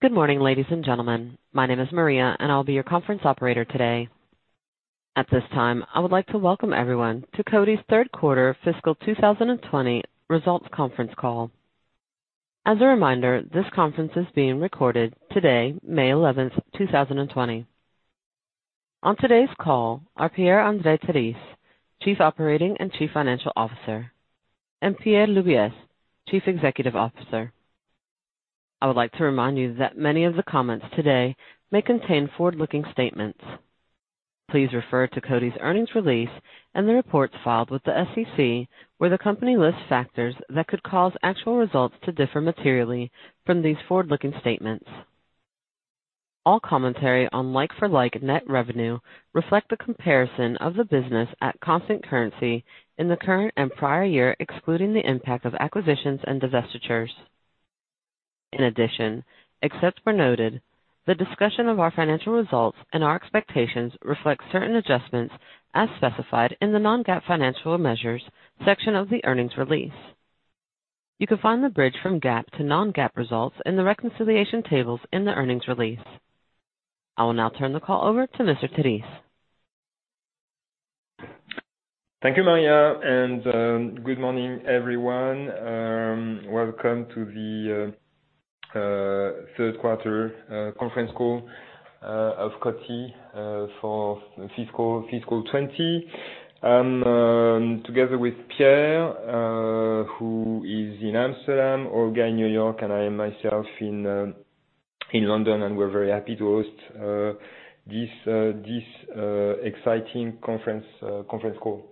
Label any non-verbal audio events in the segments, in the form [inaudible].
Good morning, ladies and gentlemen. My name is Maria, and I'll be your conference operator today. At this time, I would like to welcome everyone to Coty's third quarter fiscal 2020 results conference call. As a reminder, this conference is being recorded today, May 11th, 2020. On today's call are Pierre-André Terisse, Chief Operating and Chief Financial Officer, and Pierre Laubies, Chief Executive Officer. I would like to remind you that many of the comments today may contain forward-looking statements. Please refer to Coty's earnings release and the reports filed with the SEC, where the company lists factors that could cause actual results to differ materially from these forward-looking statements. All commentary on like-for-like net revenue reflects the comparison of the business at constant currency in the current and prior year, excluding the impact of acquisitions and divestitures. In addition, excepts were noted. The discussion of our financial results and our expectations reflects certain adjustments as specified in the non-GAAP financial measures section of the earnings release. You can find the bridge from GAAP to non-GAAP results in the reconciliation tables in the earnings release. I will now turn the call over to Mr. Terisse. Thank you, Maria, and good morning, everyone. Welcome to the third quarter conference call of Coty for fiscal 2020. I'm together with Pierre, who is in Amsterdam, Olga in New York, and I am myself in London, and we're very happy to host this exciting conference call.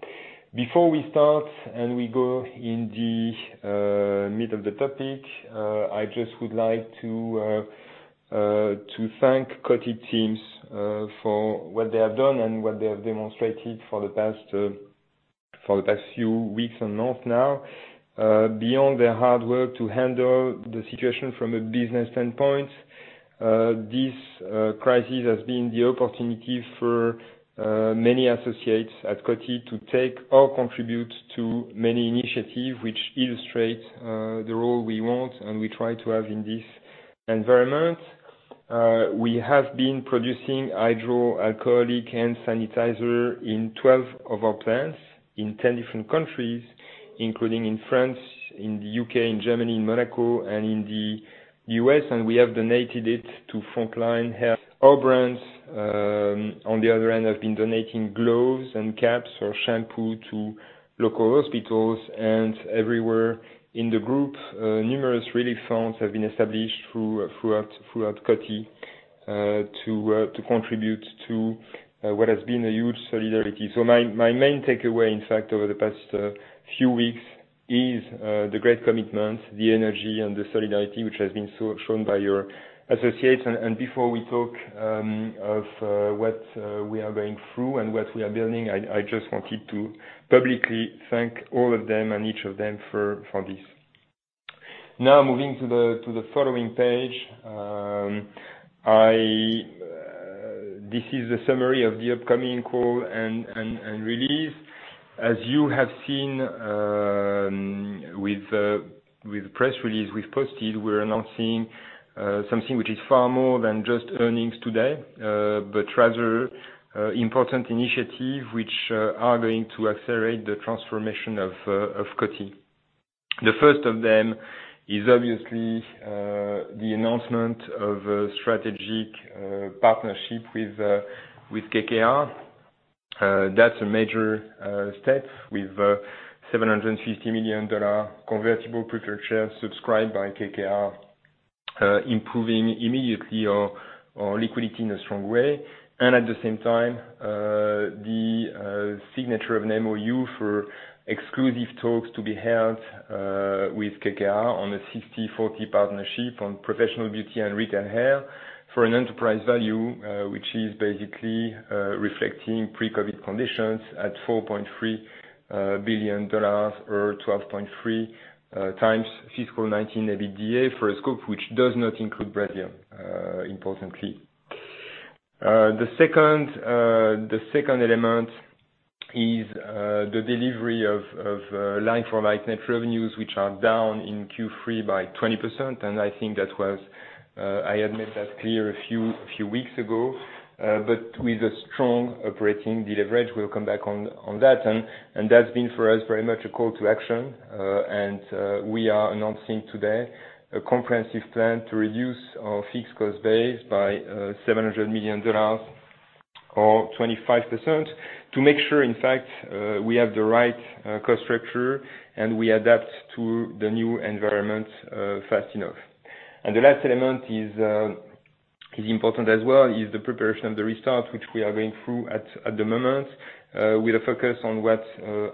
Before we start and we go in the middle of the topic, I just would like to thank Coty teams for what they have done and what they have demonstrated for the past few weeks and months now. Beyond their hard work to handle the situation from a business standpoint, this crisis has been the opportunity for many associates at Coty to take or contribute to many initiatives which illustrate the role we want and we try to have in this environment. We have been producing hydroalcoholic hand sanitizer in 12 of our plants in 10 different countries, including in France, in the U.K., in Germany, in Monaco, and in the U.S., and we have donated it to frontline. Our brands, on the other hand, have been donating gloves and caps or shampoo to local hospitals and everywhere in the group. Numerous relief funds have been established throughout Coty to contribute to what has been a huge solidarity. My main takeaway, in fact, over the past few weeks is the great commitment, the energy, and the solidarity which has been shown by your associates. Before we talk of what we are going through and what we are building, I just wanted to publicly thank all of them and each of them for this. Now, moving to the following page, this is the summary of the upcoming call and release. As you have seen with the press release we've posted, we're announcing something which is far more than just earnings today, but rather important initiatives which are going to accelerate the transformation of Coty. The first of them is obviously the announcement of a strategic partnership with KKR. That's a major step with a $750 million convertible preferred share subscribed by KKR, improving immediately our liquidity in a strong way. At the same time, the signature of an MoU for exclusive talks to be held with KKR on a 60/40 partnership on professional beauty and retail hair for an enterprise value which is basically reflecting pre-COVID conditions at $4.3 billion, or 12.3 times fiscal 2019 EBITDA for a scope which does not include Brazil, importantly. The second element is the delivery of like-for-like net revenues which are down in Q3 by 20%, and I think that was—I admit that's clear a few weeks ago—but with a strong operating delivery. We'll come back on that, and that's been for us very much a call to action, and we are announcing today a comprehensive plan to reduce our fixed cost base by $700 million or 25% to make sure, in fact, we have the right cost structure and we adapt to the new environment fast enough. The last element is important as well is the preparation of the restart which we are going through at the moment with a focus on what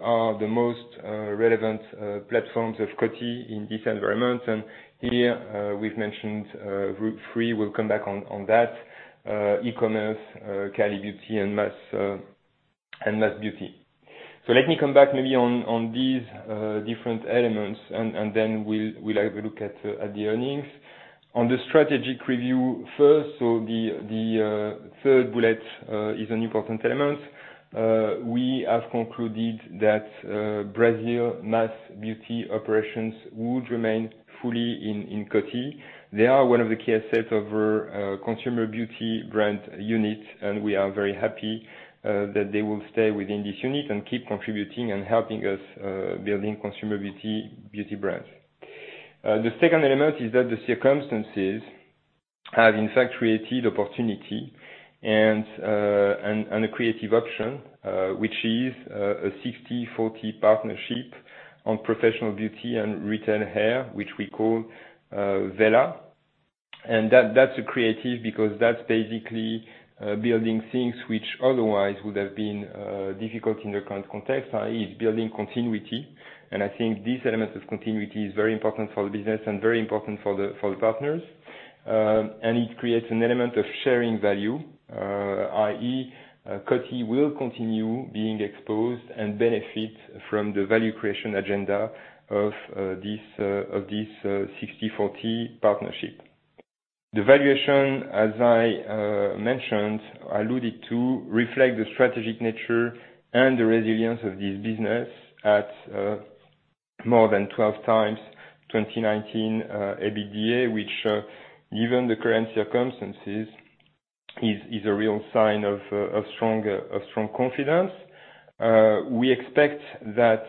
are the most relevant platforms of Coty in this environment. Here, we've mentioned three—we'll come back on that: e-commerce, Kylie Beauty, and Mass Beauty. Let me come back maybe on these different elements, and then we'll have a look at the earnings. On the strategic review first, the third bullet is an important element. We have concluded that Brazil Mass Beauty operations would remain fully in Coty. They are one of the key assets of our consumer beauty brand unit, and we are very happy that they will stay within this unit and keep contributing and helping us build consumer beauty brands. The second element is that the circumstances have, in fact, created opportunity and a creative option which is a 60/40 partnership on professional beauty and retail hair which we call VELA. That's a creative because that's basically building things which otherwise would have been difficult in the current context, i.e., building continuity. I think this element of continuity is very important for the business and very important for the partners, and it creates an element of sharing value, i.e., Coty will continue being exposed and benefit from the value creation agenda of this 60/40 partnership. The valuation, as I mentioned, alluded to, reflects the strategic nature and the resilience of this business at more than 12 times 2019 EBITDA, which, given the current circumstances, is a real sign of strong confidence. We expect that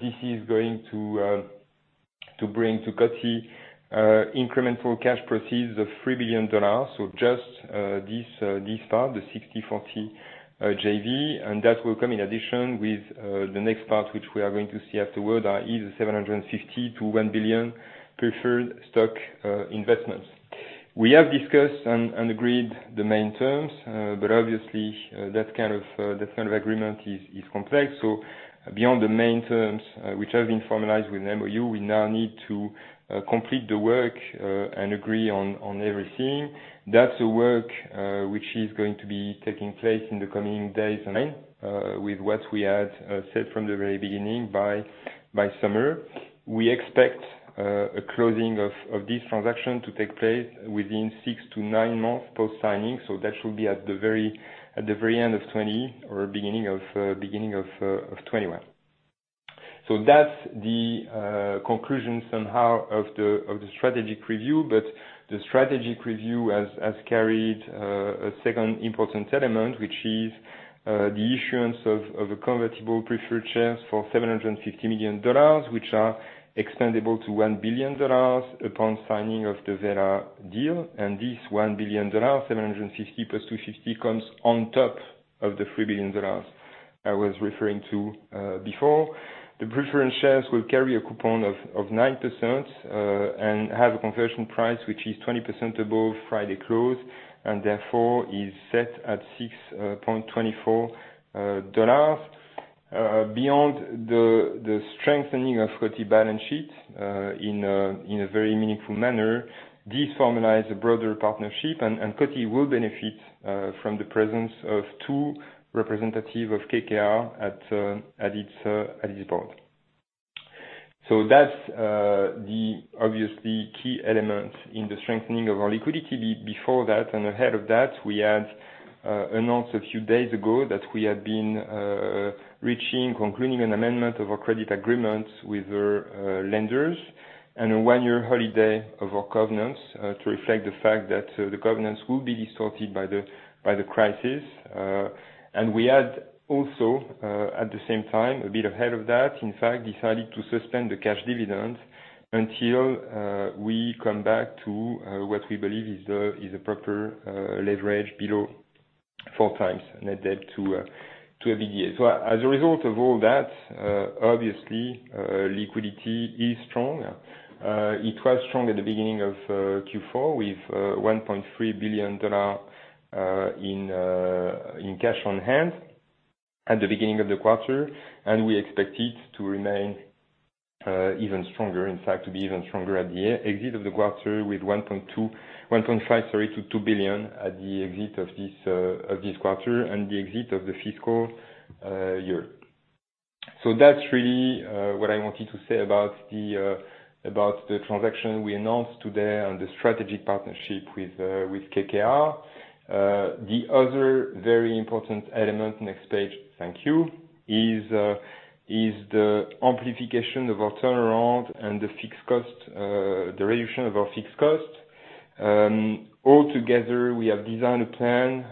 this is going to bring to Coty incremental cash proceeds of $3 billion, so just this part, the 60/40 JV, and that will come in addition with the next part which we are going to see afterward, i.e., the 750-1 billion preferred stock investments. We have discussed and agreed the main terms, but obviously, that kind of agreement is complex. Beyond the main terms which have been formalized with an MoU, we now need to complete the work and agree on everything. That is a work which is going to be taking place in the coming days and months with what we had said from the very beginning by summer. We expect a closing of this transaction to take place within six to nine months post-signing, so that should be at the very end of 2020 or beginning of 2021. That is the conclusion somehow of the strategic review, but the strategic review has carried a second important element which is the issuance of convertible preferred shares for $750 million, which are expandable to $1 billion upon signing of the VELA deal. This $1 billion, 750 plus 250, comes on top of the $3 billion I was referring to before. The preferred shares will carry a coupon of 9% and have a conversion price which is 20% above Friday close, and therefore is set at $6.24. Beyond the strengthening of Coty balance sheet in a very meaningful manner, this formalized a broader partnership, and Coty will benefit from the presence of two representatives of KKR at its board. That is the obviously key element in the strengthening of our liquidity. Before that and ahead of that, we had announced a few days ago that we had been reaching, concluding an amendment of our credit agreement with our lenders and a one-year holiday of our covenants to reflect the fact that the covenants will be distorted by the crisis. We had also, at the same time, a bit ahead of that, in fact, decided to suspend the cash dividend until we come back to what we believe is a proper leverage below four times net debt to EBITDA. As a result of all that, obviously, liquidity is strong. It was strong at the beginning of Q4 with $1.3 billion in cash on hand at the beginning of the quarter, and we expect it to remain even stronger, in fact, to be even stronger at the exit of the quarter with $1.5 billion-$2 billion at the exit of this quarter and the exit of the fiscal year. That is really what I wanted to say about the transaction we announced today and the strategic partnership with KKR. The other very important element, next page, thank you, is the amplification of our turnaround and the reduction of our fixed costs. Altogether, we have designed a plan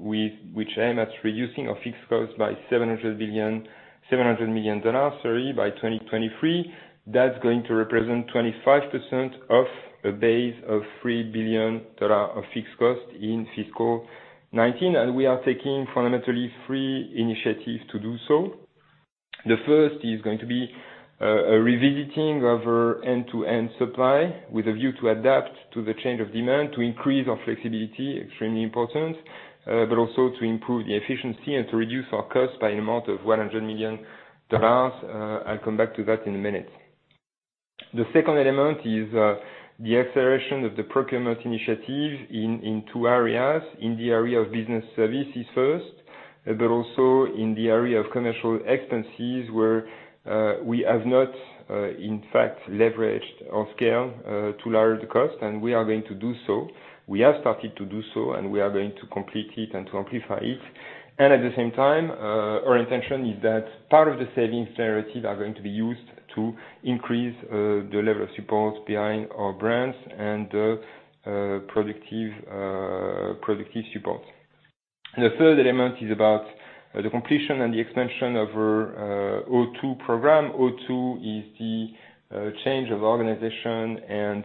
which aims at reducing our fixed costs by $700 million by 2023. That's going to represent 25% of a base of $3 billion of fixed costs in fiscal 2019, and we are taking fundamentally three initiatives to do so. The first is going to be a revisiting of our end-to-end supply with a view to adapt to the change of demand to increase our flexibility, extremely important, but also to improve the efficiency and to reduce our costs by an amount of $100 million. I'll come back to that in a minute. The second element is the acceleration of the procurement initiative in two areas: in the area of business services first, but also in the area of commercial expenses where we have not, in fact, leveraged or scaled to large the cost, and we are going to do so. We have started to do so, and we are going to complete it and to amplify it. At the same time, our intention is that part of the savings narrative are going to be used to increase the level of support behind our brands and the productive support. The third element is about the completion and the expansion of our O2 program. O2 is the change of organization and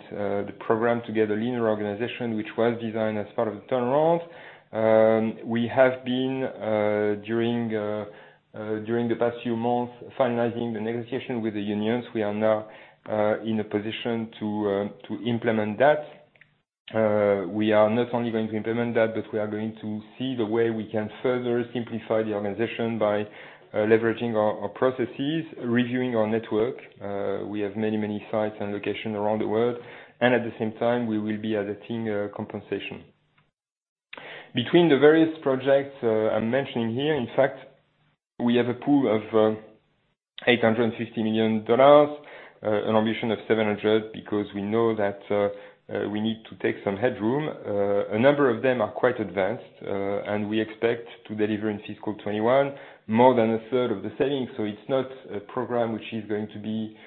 the program to get a leaner organization which was designed as part of the turnaround. We have been, during the past few months, finalizing the negotiation with the unions. We are now in a position to implement that. We are not only going to implement that, but we are going to see the way we can further simplify the organization by leveraging our processes, reviewing our network. We have many, many sites and locations around the world, and at the same time, we will be adding compensation. Between the various projects I'm mentioning here, in fact, we have a pool of $850 million, an ambition of $700 million because we know that we need to take some headroom. A number of them are quite advanced, and we expect to deliver in fiscal 2021 more than a third of the savings. It is not a program which is going to be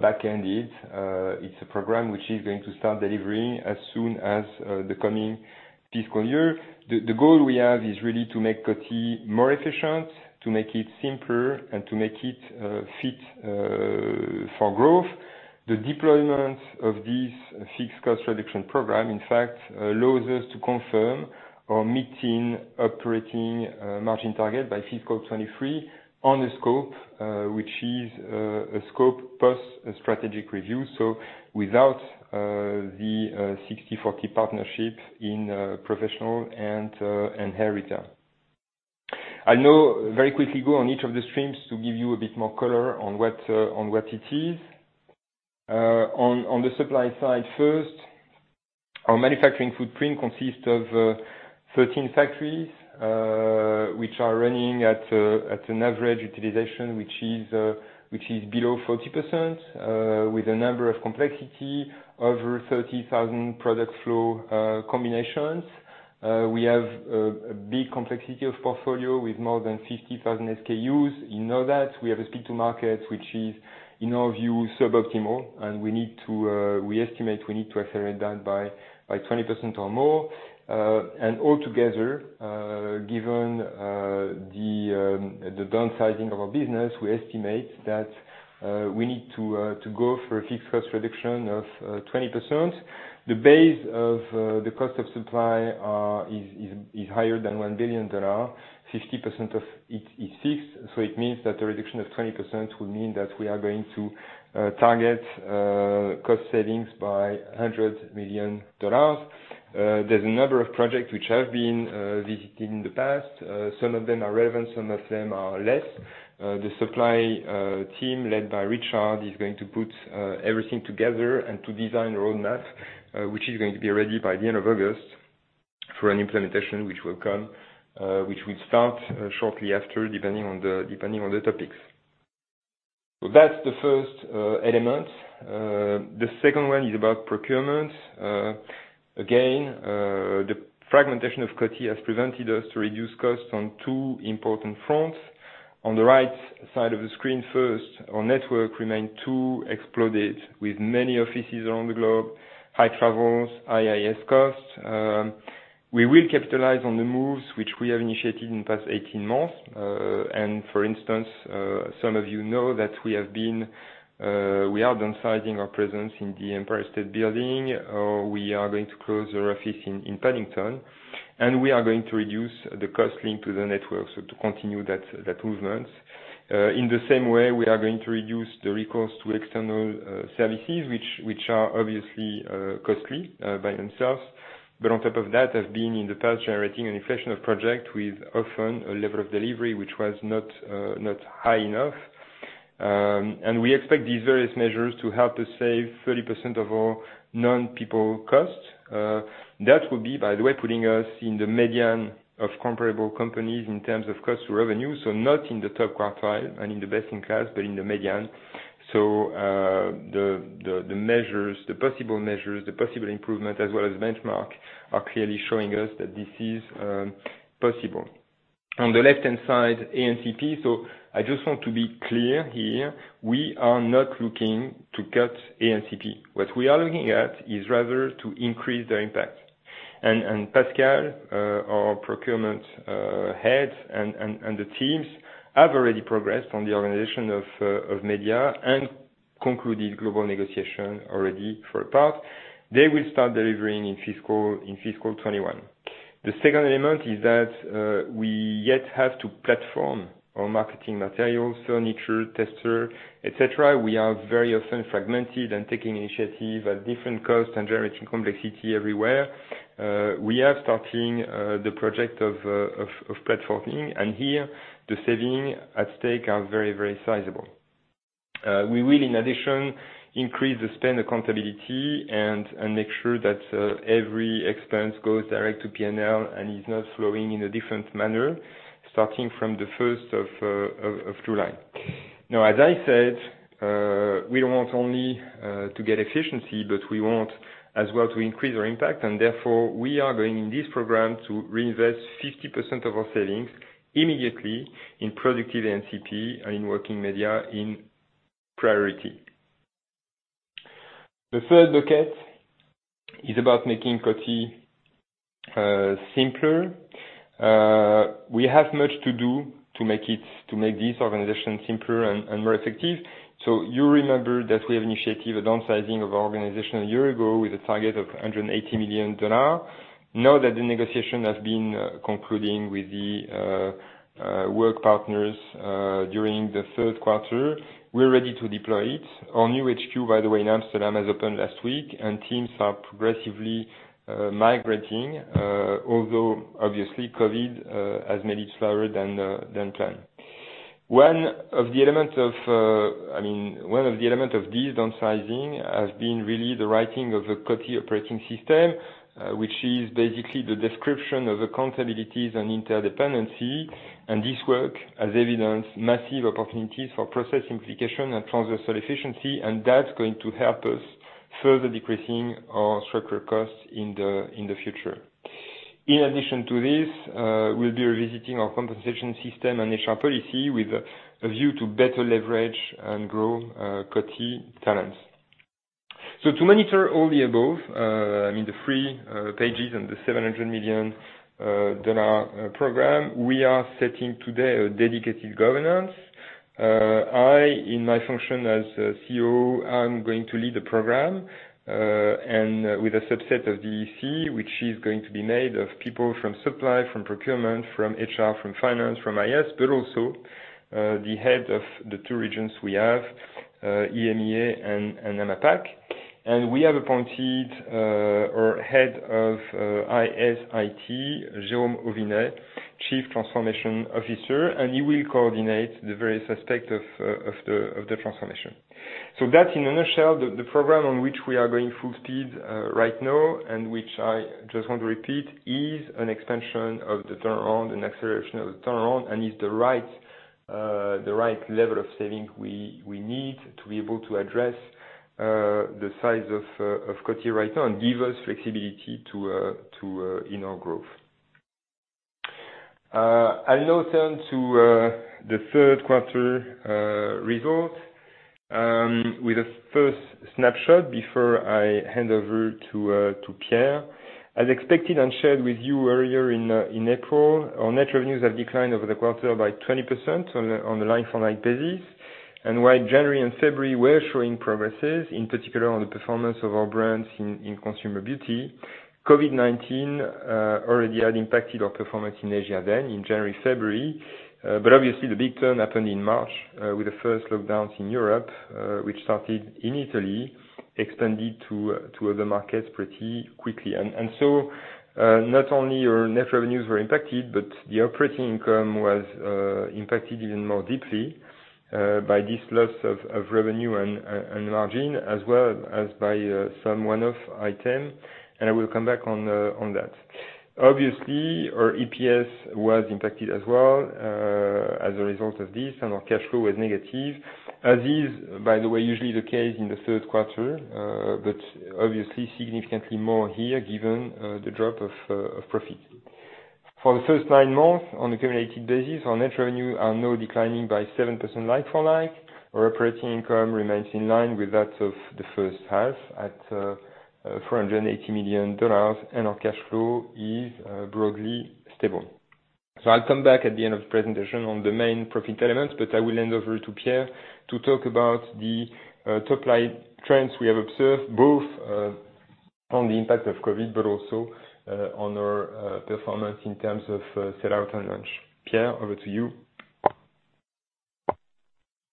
back-ended. It is a program which is going to start delivering as soon as the coming fiscal year. The goal we have is really to make Coty more efficient, to make it simpler, and to make it fit for growth. The deployment of this fixed cost reduction program, in fact, allows us to confirm or meet operating margin target by fiscal 2023 on a scope which is a scope post-strategic review, so without the 60/40 partnership in professional and hair return. I'll now very quickly go on each of the streams to give you a bit more color on what it is. On the supply side first, our manufacturing footprint consists of 13 factories which are running at an average utilization which is below 40% with a number of complexity over 30,000 product flow combinations. We have a big complexity of portfolio with more than 50,000 SKUs. In all that, we have a speed-to-market which is, in our view, suboptimal, and we estimate we need to accelerate that by 20% or more. Altogether, given the downsizing of our business, we estimate that we need to go for a fixed cost reduction of 20%. The base of the cost of supply is higher than $1 billion. 50% of it is fixed, so it means that a reduction of 20% would mean that we are going to target cost savings by $100 million. There is a number of projects which have been visited in the past. Some of them are relevant. Some of them are less. The supply team led by Richard is going to put everything together and to design a roadmap which is going to be ready by the end of August for an implementation which will start shortly after, depending on the topics. That's the first element. The second one is about procurement. Again, the fragmentation of Coty has prevented us to reduce costs on two important fronts. On the right side of the screen first, our network remains too exploded with many offices around the globe, high travels, high IS costs. We will capitalize on the moves which we have initiated in the past 18 months. For instance, some of you know that we have been—we are downsizing our presence in the Empire State Building, or we are going to close our office in Paddington, and we are going to reduce the cost linked to the network to continue that movement. In the same way, we are going to reduce the recourse to external services which are obviously costly by themselves. On top of that, I've been in the past generating an inflation of projects with often a level of delivery which was not high enough. We expect these various measures to help us save 30% of our non-people costs. That would be, by the way, putting us in the median of comparable companies in terms of cost to revenue, not in the top quartile and in the best in class, but in the median. The possible measures, the possible improvement, as well as benchmark, are clearly showing us that this is possible. On the left-hand side, ANCP. I just want to be clear here. We are not looking to cut ANCP. What we are looking at is rather to increase their impact. Pascal, our procurement head, and the teams have already progressed on the organization of media and concluded global negotiation already for a part. They will start delivering in fiscal 2021. The second element is that we yet have to platform our marketing materials, furniture, tester, etc. We are very often fragmented and taking initiative at different costs and generating complexity everywhere. We are starting the project of platforming, and here, the saving at stake are very, very sizable. We will, in addition, increase the spend accountability and make sure that every expense goes direct to P&L and is not flowing in a different manner starting from the 1st of July. Now, as I said, we do not want only to get efficiency, but we want as well to increase our impact. Therefore, we are going in this program to reinvest 50% of our savings immediately in productive ANCP and in working media in priority. The third bucket is about making Coty simpler. We have much to do to make this organization simpler and more effective. You remember that we have initiated a downsizing of our organization a year ago with a target of $180 million. Now that the negotiation has been concluded with the work partners during the third quarter, we are ready to deploy it. Our new HQ, by the way, in Amsterdam has opened last week, and teams are progressively migrating, although obviously, COVID has made it slower than planned. One of the elements of—I mean, one of the elements of this downsizing has been really the writing of a Coty operating system, which is basically the description of accountabilities and interdependency. This work has evidenced massive opportunities for process simplification and transversal efficiency, and that's going to help us further decreasing our structural costs in the future. In addition to this, we'll be revisiting our compensation system and HR policy with a view to better leverage and grow Coty talents. To monitor all the above, I mean, the three pages and the $700 million program, we are setting today a dedicated governance. I, in my function as COO, am going to lead the program with a subset of the EC, which is going to be made of people from supply, from procurement, from HR, from finance, from IS, but also the head of the two regions we have, EMEA and AMAPAC. We have appointed our head of ISIT, Jérôme Auvinet, Chief Transformation Officer, and he will coordinate the various aspects of the transformation. That is, in a nutshell, the program on which we are going full speed right now and which I just want to repeat is an expansion of the turnaround, an acceleration of the turnaround, and is the right level of savings we need to be able to address the size of Coty right now and give us flexibility in our growth. I will now turn to the third quarter result with a first snapshot before I hand over to Pierre. As expected and shared with you earlier in April, our net revenues have declined over the quarter by 20% on a line-for-line basis. While January and February were showing progresses, in particular on the performance of our brands in consumer beauty, COVID-19 already had impacted our performance in Asia then in January-February. Obviously, the big turn happened in March with the first lockdowns in Europe, which started in Italy, expanded to other markets pretty quickly. Not only our net revenues were impacted, but the operating income was impacted even more deeply by this loss of revenue and margin, as well as by some one-off item. I will come back on that. Obviously, our EPS was impacted as well as a result of this, and our cash flow was negative, as is, by the way, usually the case in the third quarter, but obviously significantly more here given the drop of profit. For the first nine months, on a cumulative basis, our net revenues are now declining by 7% line-for-line. Our operating income remains in line with that of the first half at $480 million, and our cash flow is broadly stable. I'll come back at the end of the presentation on the main profit elements, but I will hand over to Pierre to talk about the top-line trends we have observed, both on the impact of COVID but also on our performance in terms of sell-out and launch. Pierre, over to you.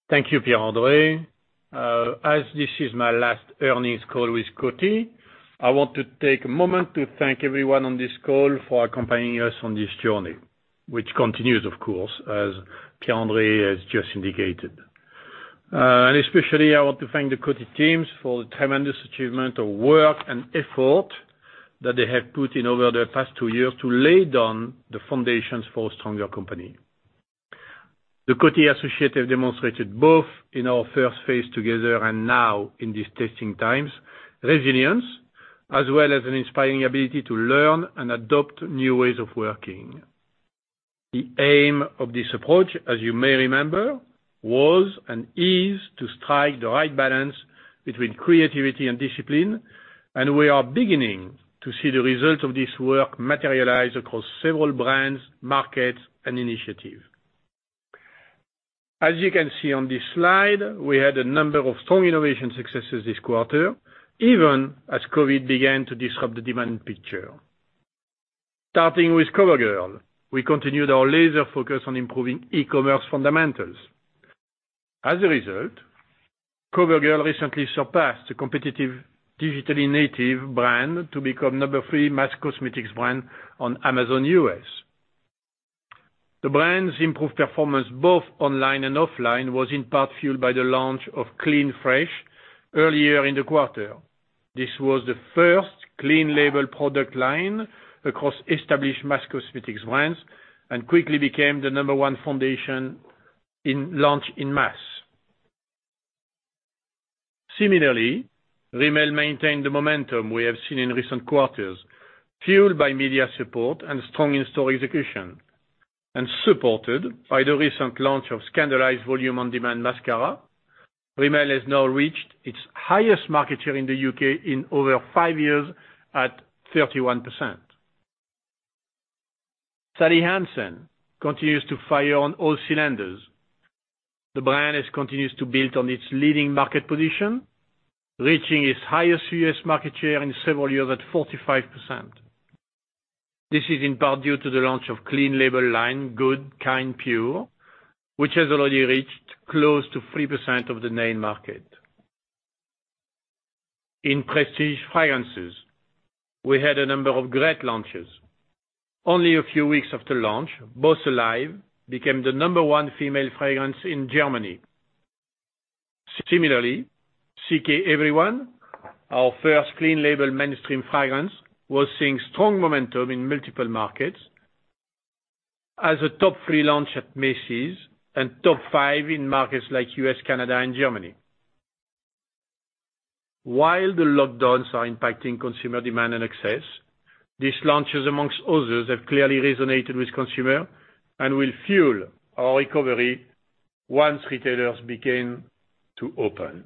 Thank you, Pierre-André. As this is my last earnings call with Coty, I want to take a moment to thank everyone on this call for accompanying us on this journey, which continues, of course, as Pierre-André has just indicated. Especially, I want to thank the Coty teams for the tremendous achievement of work and effort that they have put in over the past two years to lay down the foundations for a stronger company. The Coty associates have demonstrated both in our first phase together and now in these testing times, resilience, as well as an inspiring ability to learn and adopt new ways of working. The aim of this approach, as you may remember, was and is to strike the right balance between creativity and discipline, and we are beginning to see the results of this work materialize across several brands, markets, and initiatives. As you can see on this slide, we had a number of strong innovation successes this quarter, even as COVID began to disrupt the demand picture. Starting with Covergirl, we continued our laser focus on improving e-commerce fundamentals. As a result, Covergirl recently surpassed a competitive digitally native brand to become number three mass cosmetics brand on Amazon US. The brand's improved performance both online and offline was in part fueled by the launch of Clean Fresh earlier in the quarter. This was the first clean label product line across established mass cosmetics brands and quickly became the number one foundation launch in mass. Similarly, Rimmel maintained the momentum we have seen in recent quarters, fueled by media support and strong in-store execution, and supported by the recent launch of Scandalized Volume on Demand mascara. Rimmel has now reached its highest market share in the U.K. in over five years at 31%. Sally Hansen continues to fire on all cylinders. The brand has continued to build on its leading market position, reaching its highest U.S. market share in several years at 45%. This is in part due to the launch of clean label line Good Kind Pure, which has already reached close to 3% of the main market. In prestige fragrances, we had a number of great launches. Only a few weeks after launch, Boss Alive became the number one female fragrance in Germany. Similarly, CK Everyone, our first clean label mainstream fragrance, was seeing strong momentum in multiple markets as a top three launch at Macy's and top five in markets like the U.S., Canada, and Germany. While the lockdowns are impacting consumer demand and access, these launches, amongst others, have clearly resonated with consumers and will fuel our recovery once retailers begin to open.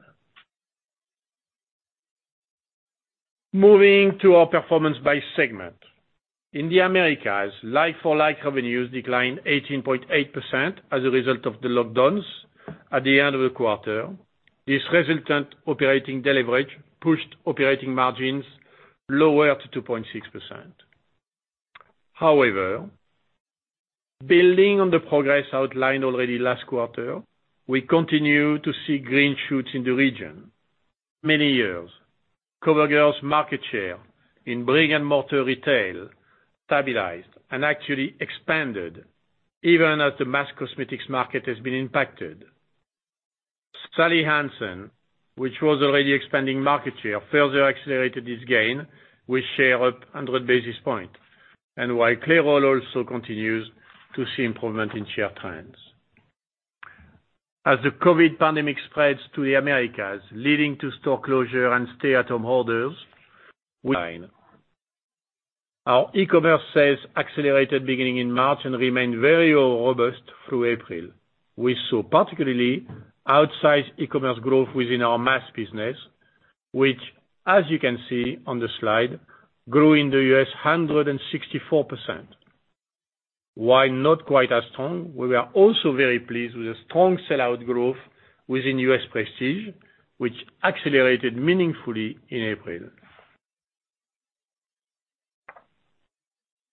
Moving to our performance by segment, in the Americas, like-for-like revenues declined 18.8% as a result of the lockdowns at the end of the quarter. This resultant operating deleverage pushed operating margins lower to 2.6%. However, building on the progress outlined already last quarter, we continue to see green shoots in the region. Many years, Covergirl's market share in brick-and-mortar retail stabilized and actually expanded even as the mass cosmetics market has been impacted. Sally Hansen, which was already expanding market share, further accelerated this gain with share up 100 basis points. While Clairol also continues to see improvement in share trends. As the COVID pandemic spreads to the Americas, leading to store closure and stay-at-home orders, we line. Our e-commerce sales accelerated beginning in March and remained very robust through April. We saw particularly outsized e-commerce growth within our mass business, which, as you can see on the slide, grew in the US 164%. While not quite as strong, we were also very pleased with the strong sell-out growth within US prestige, which accelerated meaningfully in April.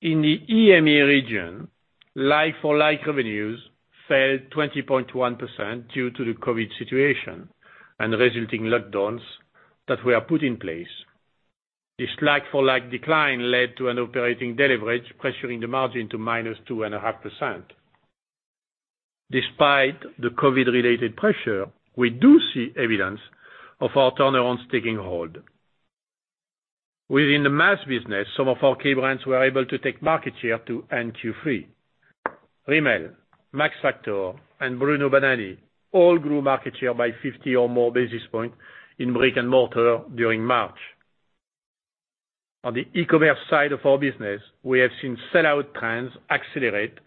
In the EMEA region, like-for-like revenues fell 20.1% due to the COVID situation and resulting lockdowns that were put in place. This like-for-like decline led to an operating deleverage pressuring the margin to minus 2.5%. Despite the COVID-related pressure, we do see evidence of our turnarounds taking hold. Within the mass business, some of our key brands were able to take market share to end Q3. Rimmel, Max Factor, and Bruno Banani all grew market share by 50 or more basis points in brick-and-mortar during March. On the e-commerce side of our business, we have seen sell-out trends accelerate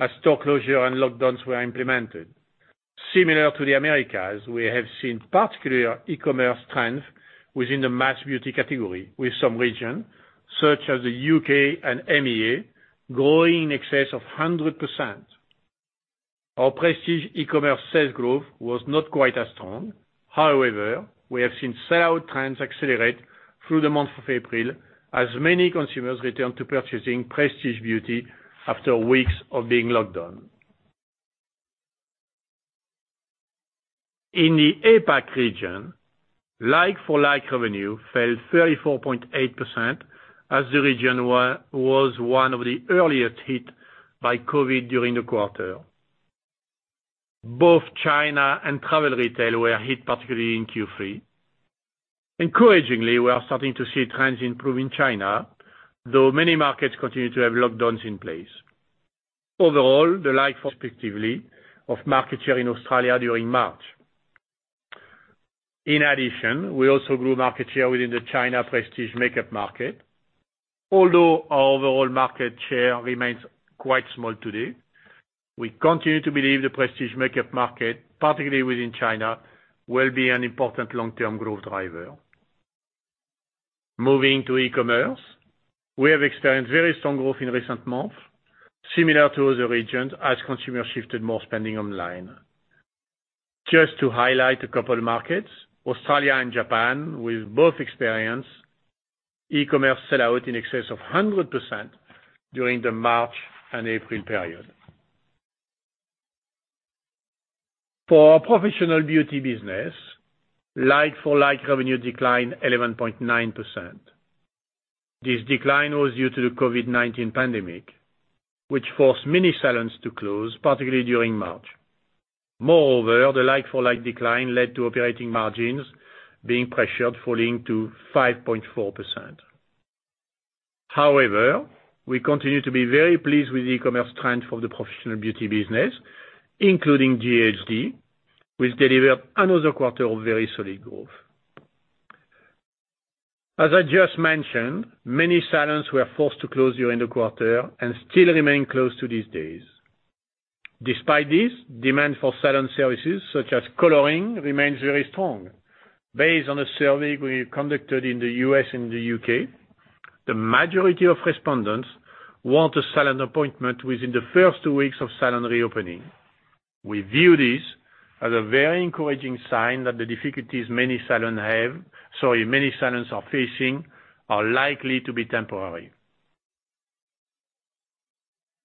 as store closure and lockdowns were implemented. Similar to the Americas, we have seen particular e-commerce trends within the mass beauty category with some regions, such as the U.K. and MEA, growing in excess of 100%. Our prestige e-commerce sales growth was not quite as strong. However, we have seen sell-out trends accelerate through the month of April as many consumers returned to purchasing prestige beauty after weeks of being locked down. In the APAC region, like-for-like revenue fell 34.8% as the region was one of the earliest hit by COVID during the quarter. Both China and travel retail were hit particularly in Q3. Encouragingly, we are starting to see trends improving in China, though many markets continue to have lockdowns in place. Overall, the like. Respectively of market share in Australia during March. In addition, we also grew market share within the China prestige makeup market. Although our overall market share remains quite small today, we continue to believe the prestige makeup market, particularly within China, will be an important long-term growth driver. Moving to e-commerce, we have experienced very strong growth in recent months, similar to other regions as consumers shifted more spending online. Just to highlight a couple of markets, Australia and Japan, with both experienced e-commerce sell-out in excess of 100% during the March and April period. For our professional beauty business, like-for-like revenue declined 11.9%. This decline was due to the COVID-19 pandemic, which forced many salons to close, particularly during March. Moreover, the like-for-like decline led to operating margins being pressured, falling to 5.4%. However, we continue to be very pleased with the e-commerce trend for the professional beauty business, including GHD, which delivered another quarter of very solid growth. As I just mentioned, many salons were forced to close during the quarter and still remain closed to these days. Despite this, demand for salon services such as coloring remains very strong. Based on a survey we conducted in the U.S. and the U.K., the majority of respondents want a salon appointment within the first two weeks of salon reopening. We view this as a very encouraging sign that the difficulties many salons are facing are likely to be temporary.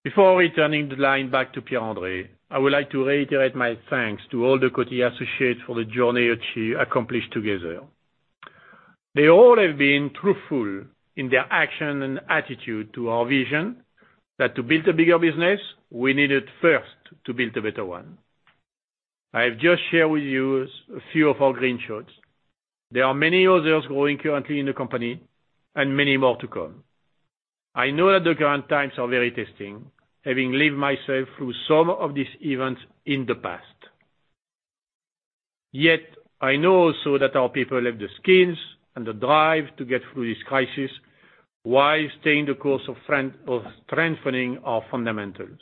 Before returning the line back to Pierre-André, I would like to reiterate my thanks to all the Coty associates for the journey achieved, accomplished together. They all have been truthful in their action and attitude to our vision that to build a bigger business, we needed first to build a better one. I have just shared with you a few of our green shots. There are many others growing currently in the company and many more to come. I know that the current times are very testing, having lived myself through some of these events in the past. Yet, I know also that our people have the skills and the drive to get through this crisis while staying the course of strengthening our fundamentals.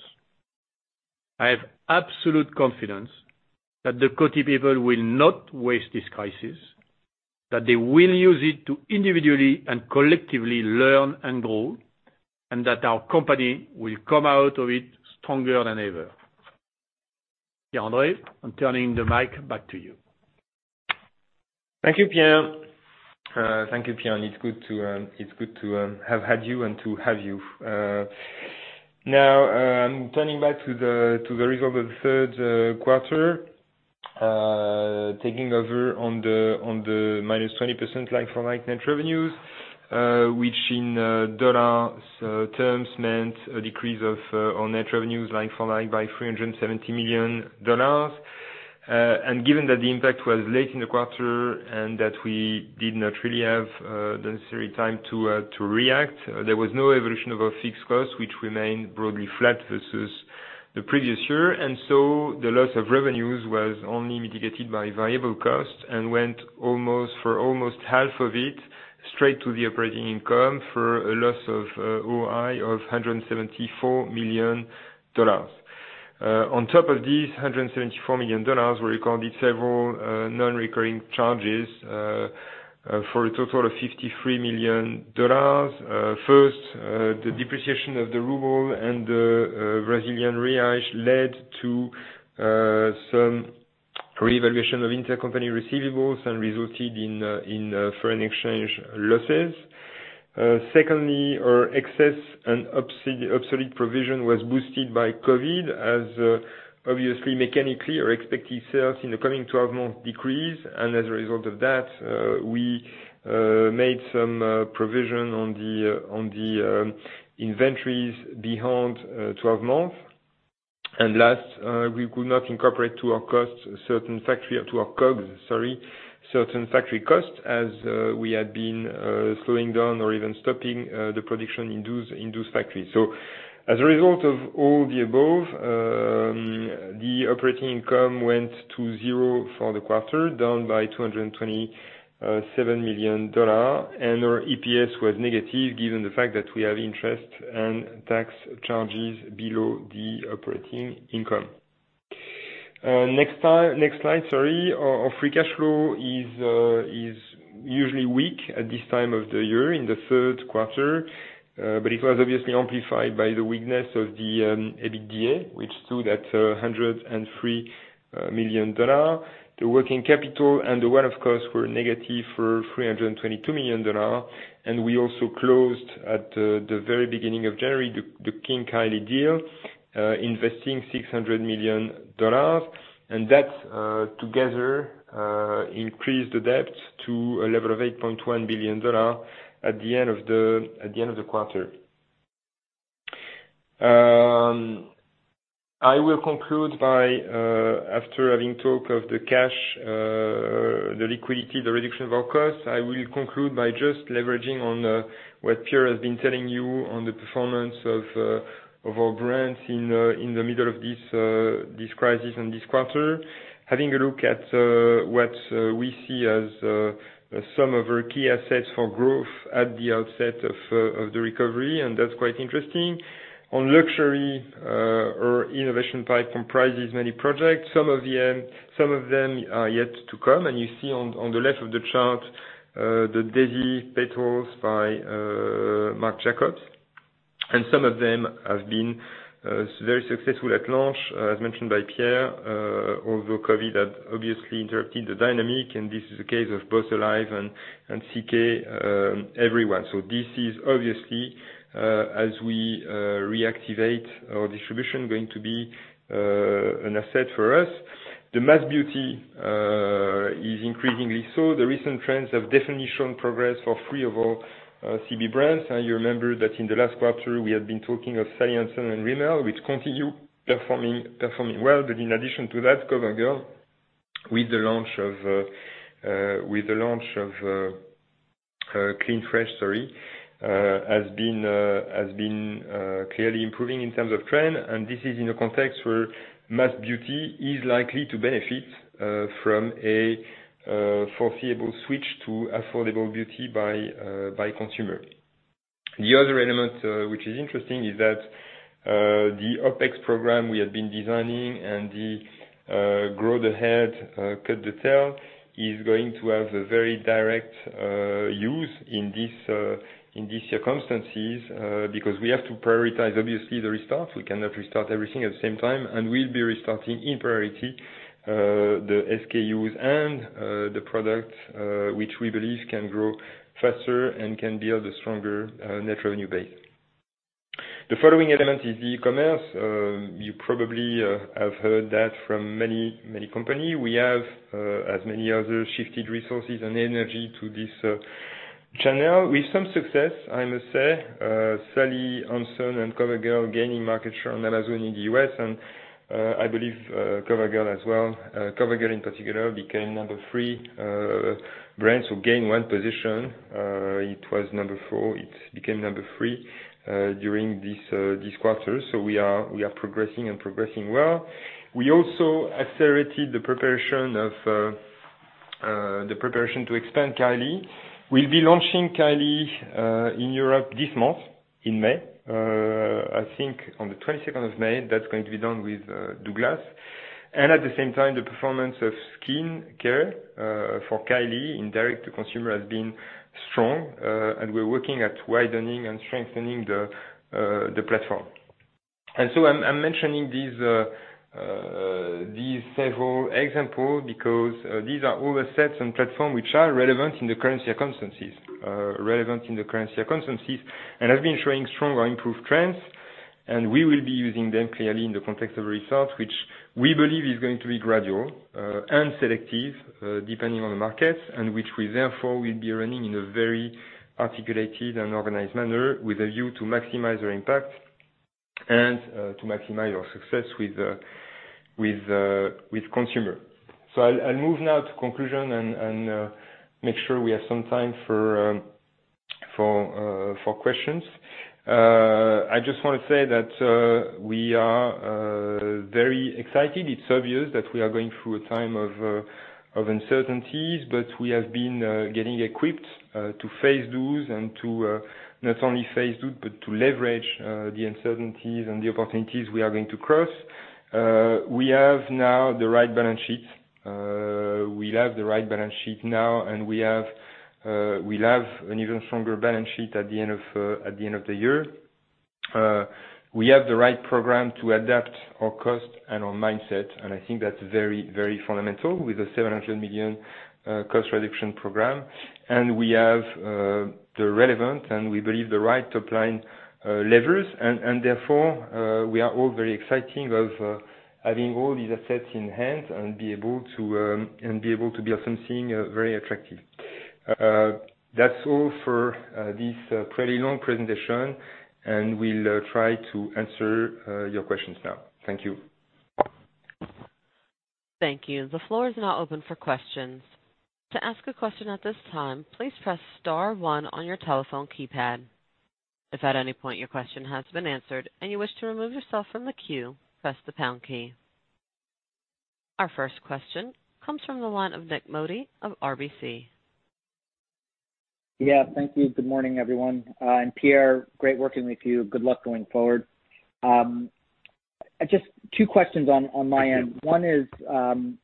I have absolute confidence that the Coty people will not waste this crisis, that they will use it to individually and collectively learn and grow, and that our company will come out of it stronger than ever. Pierre-André, I'm turning the mic back to you. Thank you, Pierre. Thank you, Pierre. It's good to have had you and to have you. Now, I'm turning back to the result of the third quarter, taking over on the minus 20% like-for-like net revenues, which in dollar terms meant a decrease of net revenues like-for-like by $370 million. Given that the impact was late in the quarter and that we did not really have the necessary time to react, there was no evolution of our fixed costs, which remained broadly flat versus the previous year. The loss of revenues was only mitigated by variable costs and went for almost half of it straight to the operating income for a loss of OI of $174 million. On top of these $174 million were recorded several non-recurring charges for a total of $53 million. First, the depreciation of the ruble and the Brazilian real led to some reevaluation of intercompany receivables and resulted in foreign exchange losses. Secondly, our excess and obsolete provision was boosted by COVID as, obviously, mechanically, our expected sales in the coming 12 months decreased. As a result of that, we made some provision on the inventories beyond 12 months. Last, we could not incorporate to our costs certain factory to our COGS, sorry, certain factory costs as we had been slowing down or even stopping the production in those factories. As a result of all the above, the operating income went to zero for the quarter, down by $227 million, and our EPS was negative given the fact that we have interest and tax charges below the operating income. Next slide, sorry. Our free cash flow is usually weak at this time of the year in the third quarter, but it was obviously amplified by the weakness of the EBITDA, which stood at $103 million. The working capital and the one-off costs were negative for $322 million, and we also closed at the very beginning of January the King Kylie deal, investing $600 million, and that together increased the debt to a level of $8.1 billion at the end of the quarter. I will conclude by, after having talked of the cash, the liquidity, the reduction of our costs, I will conclude by just leveraging on what Pierre has been telling you on the performance of our brands in the middle of this crisis and this quarter, having a look at what we see as some of our key assets for growth at the outset of the recovery, and that's quite interesting. On luxury, our innovation pipe comprises many projects. Some of them are yet to come, and you see on the left of the chart the Daisy Petals by Marc Jacobs, and some of them have been very successful at launch, as mentioned by Pierre, although COVID had obviously interrupted the dynamic, and this is the case of Boss Alive and CK Everyone. This is obviously, as we reactivate our distribution, going to be an asset for us. The mass beauty is increasingly so. The recent trends have definitely shown progress for three of our CB brands. You remember that in the last quarter, we had been talking of Sally Hansen and Rimmel, which continue performing well, but in addition to that, Covergirl, with the launch of Clean Fresh, sorry, has been clearly improving in terms of trend, and this is in a context where mass beauty is likely to benefit from a foreseeable switch to affordable beauty by consumer. The other element which is interesting is that the OpEx program we had been designing and the grow the head, cut the tail is going to have a very direct use in these circumstances because we have to prioritize, obviously, the restart. We cannot restart everything at the same time, and we'll be restarting in priority the SKUs and the products, which we believe can grow faster and can build a stronger net revenue base. The following element is the e-commerce. You probably have heard that from many companies. We have, as many others, shifted resources and energy to this channel with some success, I must say. Sally Hansen and Covergirl gaining market share on Amazon in the US, and I believe Covergirl as well. Covergirl, in particular, became number three brands, so gained one position. It was number four. It became number three during this quarter, so we are progressing and progressing well. We also accelerated the preparation to expand Kylie. We'll be launching Kylie in Europe this month in May. I think on the 22nd of May, that's going to be done with Douglas. At the same time, the performance of skin care for Kylie in direct-to-consumer has been strong, and we're working at widening and strengthening the platform. I'm mentioning these several examples because these are all the sets and platforms which are relevant in the current circumstances, and have been showing strong or improved trends, and we will be using them clearly in the context of the results, which we believe is going to be gradual and selective depending on the markets and which we, therefore, will be running in a very articulated and organized manner with a view to maximize our impact and to maximize our success with consumers. I will move now to conclusion and make sure we have some time for questions. I just want to say that we are very excited. It's obvious that we are going through a time of uncertainties, but we have been getting equipped to face those and to not only face those but to leverage the uncertainties and the opportunities we are going to cross. We have now the right balance sheet. We have the right balance sheet now, and we have an even stronger balance sheet at the end of the year. We have the right program to adapt our cost and our mindset, and I think that's very, very fundamental with the $700 million cost reduction program. We have the relevant and, we believe, the right top-line levers, and therefore, we are all very excited of having all these assets in hand and be able to build something very attractive. That's all for this pretty long presentation, and we'll try to answer your questions now. Thank you. Thank you. The floor is now open for questions. To ask a question at this time, please press star one on your telephone keypad. If at any point your question has been answered and you wish to remove yourself from the queue, press the pound key. Our first question comes from the line of Nik Modi of RBC. Yeah. Thank you. Good morning, everyone. And Pierre, great working with you. Good luck going forward. Just two questions on my end. One is on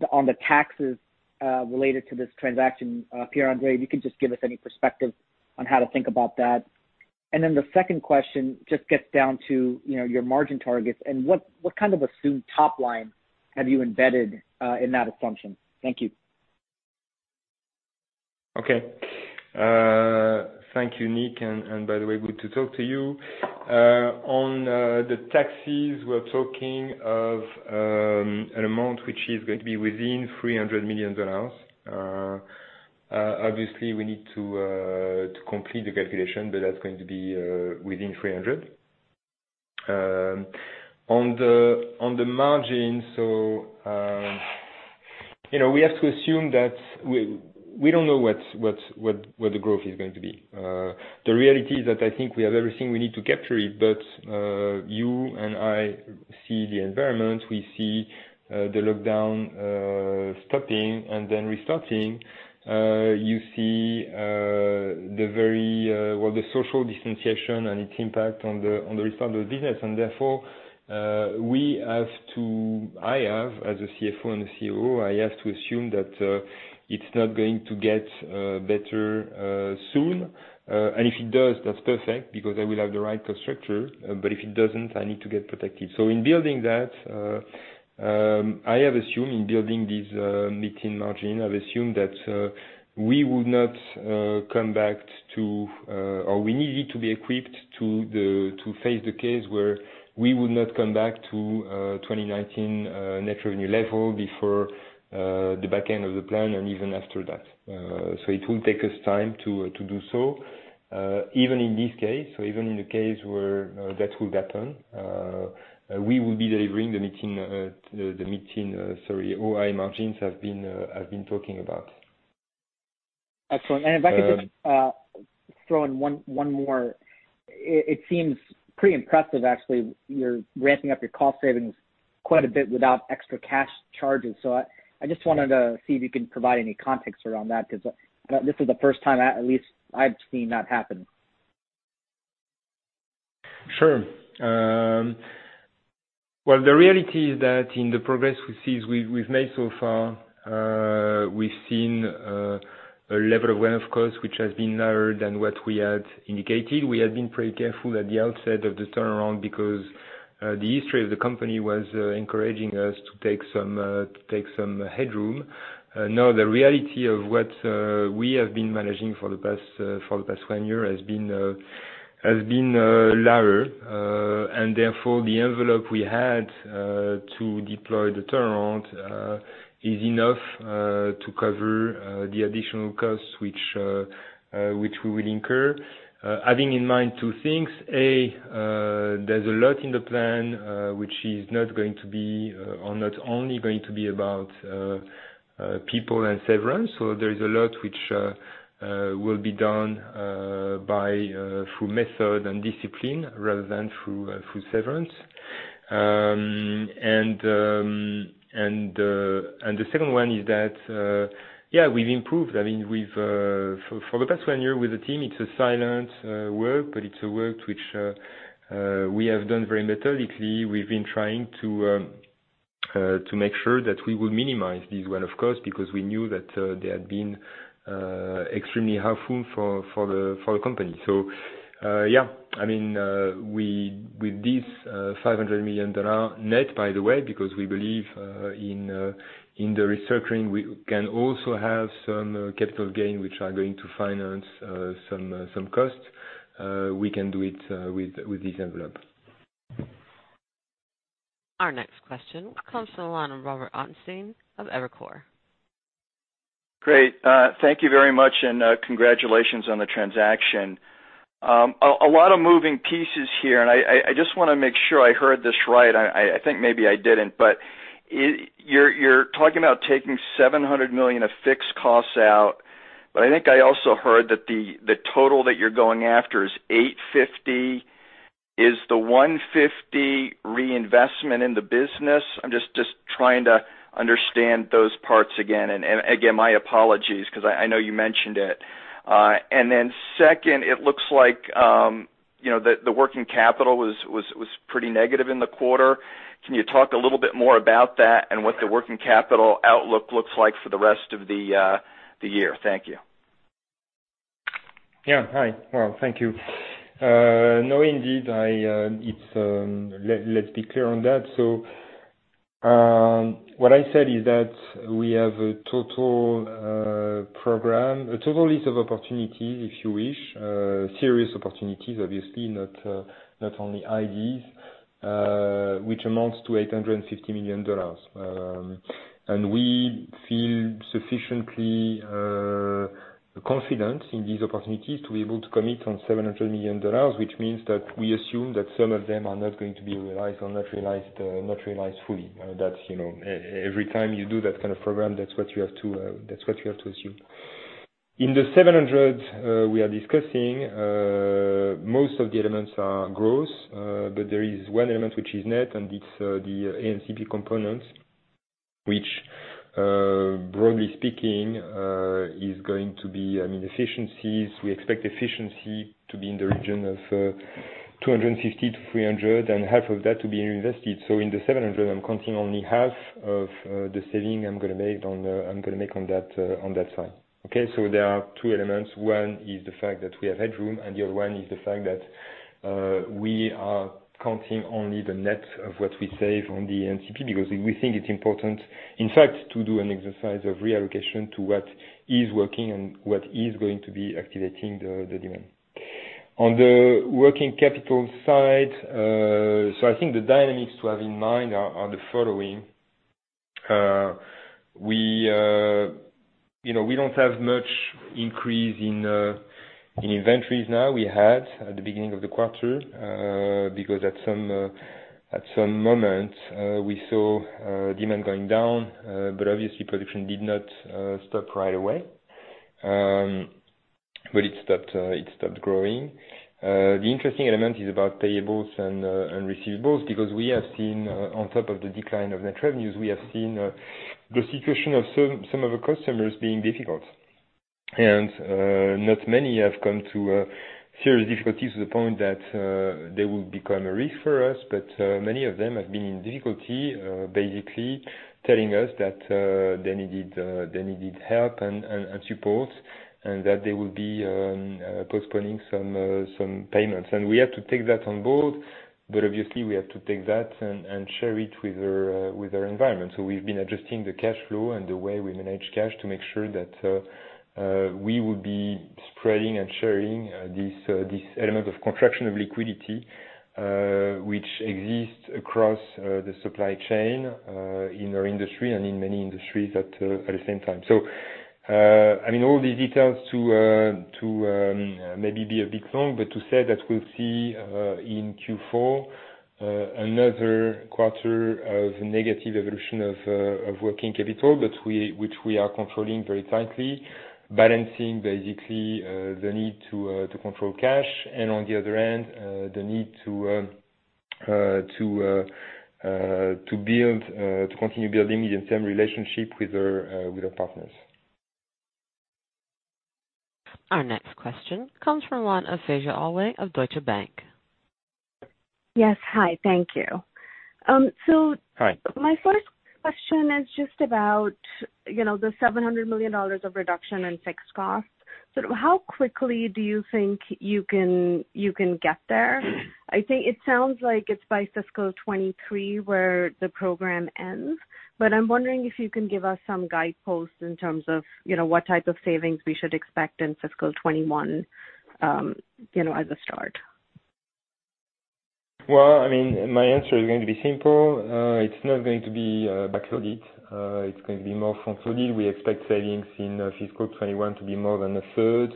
the taxes related to this transaction. Pierre-André, if you could just give us any perspective on how to think about that. The second question just gets down to your margin targets and what kind of assumed top line have you embedded in that assumption. Thank you. Okay. Thank you, Nik, and by the way, good to talk to you. On the taxes, we're talking of an amount which is going to be within $300 million. Obviously, we need to complete the calculation, but that's going to be within $300 million. On the margins, we have to assume that we don't know what the growth is going to be. The reality is that I think we have everything we need to capture it, but you and I see the environment. We see the lockdown stopping and then restarting. You see very well the social distanciation and its impact on the restart of the business. Therefore, I have, as a CFO and a COO, I have to assume that it's not going to get better soon. If it does, that's perfect because I will have the right cost structure, but if it doesn't, I need to get protected. In building that, I have assumed in building this mid-teen margin, I've assumed that we would not come back to—or we needed to be equipped to face the case where we would not come back to 2019 net revenue level before the back end of the plan and even after that. It will take us time to do so. Even in this case, even in the case where that will happen, we will be delivering the mid-teen, sorry, OI margins I've been talking about. Excellent. If I could just throw in one more, it seems pretty impressive, actually, you're ramping up your cost savings quite a bit without extra cash charges. I just wanted to see if you could provide any context around that because this is the first time, at least I've seen that happen. Sure. The reality is that in the progress we've made so far, we've seen a level of one-off costs which has been narrower than what we had indicated. We had been pretty careful at the outset of the turnaround because the history of the company was encouraging us to take some headroom. Now, the reality of what we have been managing for the past one year has been lower, and therefore, the envelope we had to deploy the turnaround is enough to cover the additional costs which we will incur. Having in mind two things: A, there's a lot in the plan which is not going to be—or not only going to be—about people and severance. There is a lot which will be done through method and discipline rather than through severance. The second one is that, yeah, we've improved. I mean, for the past one year with the team, it's a silent work, but it's a work which we have done very methodically. We've been trying to make sure that we would minimize these one-off costs because we knew that they had been extremely harmful for the company. Yeah, I mean, with this $500 million net, by the way, because we believe in the recirculation, we can also have some capital gain which are going to finance some costs. We can do it with this envelope. Our next question comes from the line of Robert Ottenstein of Evercore. Great. Thank you very much, and congratulations on the transaction. A lot of moving pieces here, and I just want to make sure I heard this right. I think maybe I didn't, but you're talking about taking $700 million of fixed costs out, but I think I also heard that the total that you're going after is $850 million. Is the $150 million reinvestment in the business? I'm just trying to understand those parts again, and again, my apologies because I know you mentioned it. Then second, it looks like the working capital was pretty negative in the quarter. Can you talk a little bit more about that and what the working capital outlook looks like for the rest of the year? Thank you. Yeah. Hi. Thank you. No, indeed, let's be clear on that. What I said is that we have a total program, a total list of opportunities, if you wish, serious opportunities, obviously, not only ideas, which amounts to $850 million. We feel sufficiently confident in these opportunities to be able to commit on $700 million, which means that we assume that some of them are not going to be realized or not realized fully. Every time you do that kind of program, that's what you have to assume. In the $700 million we are discussing, most of the elements are gross, but there is one element which is net, and it's the ANCP components, which, broadly speaking, is going to be, I mean, efficiencies. We expect efficiency to be in the region of $250 million-$300 million and half of that to be reinvested. In the $700 million, I'm counting only half of the saving I'm going to make on that side. There are two elements. One is the fact that we have headroom, and the other one is the fact that we are counting only the net of what we save on the ANCP because we think it's important, in fact, to do an exercise of reallocation to what is working and what is going to be activating the demand. On the working capital side, I think the dynamics to have in mind are the following. We do not have much increase in inventories now. We had at the beginning of the quarter because at some moment, we saw demand going down, but obviously, production did not stop right away, but it stopped growing. The interesting element is about payables and receivables because we have seen, on top of the decline of net revenues, we have seen the situation of some of the customers being difficult. Not many have come to serious difficulties to the point that they will become a risk for us, but many of them have been in difficulty, basically telling us that they needed help and support and that they will be postponing some payments. We have to take that on board, but obviously, we have to take that and share it with our environment. We have been adjusting the cash flow and the way we manage cash to make sure that we will be spreading and sharing this element of construction of liquidity which exists across the supply chain in our industry and in many industries at the same time. I mean, all these details to maybe be a bit long, but to say that we'll see in Q4 another quarter of negative evolution of working capital, which we are controlling very tightly, balancing basically the need to control cash and, on the other end, the need to continue building some relationship with our partners. Our next question comes from the line of Vega Alway of Deutsche Bank. Yes. Hi. Thank you. My first question is just about the $700 million of reduction in fixed costs. How quickly do you think you can get there? I think it sounds like it's by fiscal 2023 where the program ends, but I'm wondering if you can give us some guideposts in terms of what type of savings we should expect in fiscal 2021 as a start. I mean, my answer is going to be simple. It's not going to be backlogged. It's going to be more front-loaded. We expect savings in fiscal 2021 to be more than a third,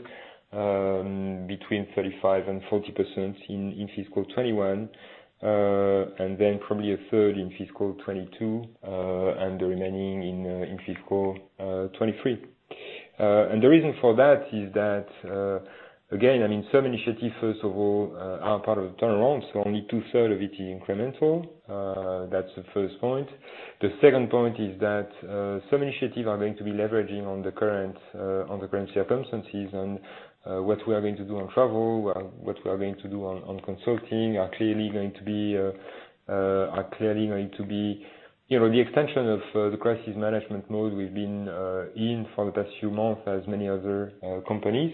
between 35% and 40% in fiscal 2021, and then probably a third in fiscal 2022 and the remaining in fiscal 2023. The reason for that is that, again, I mean, some initiatives, first of all, are part of the turnaround, so only two-thirds of it is incremental. That's the first point. The second point is that some initiatives are going to be leveraging on the current circumstances and what we are going to do on travel, what we are going to do on consulting are clearly going to be the extension of the crisis management mode we've been in for the past few months, as many other companies.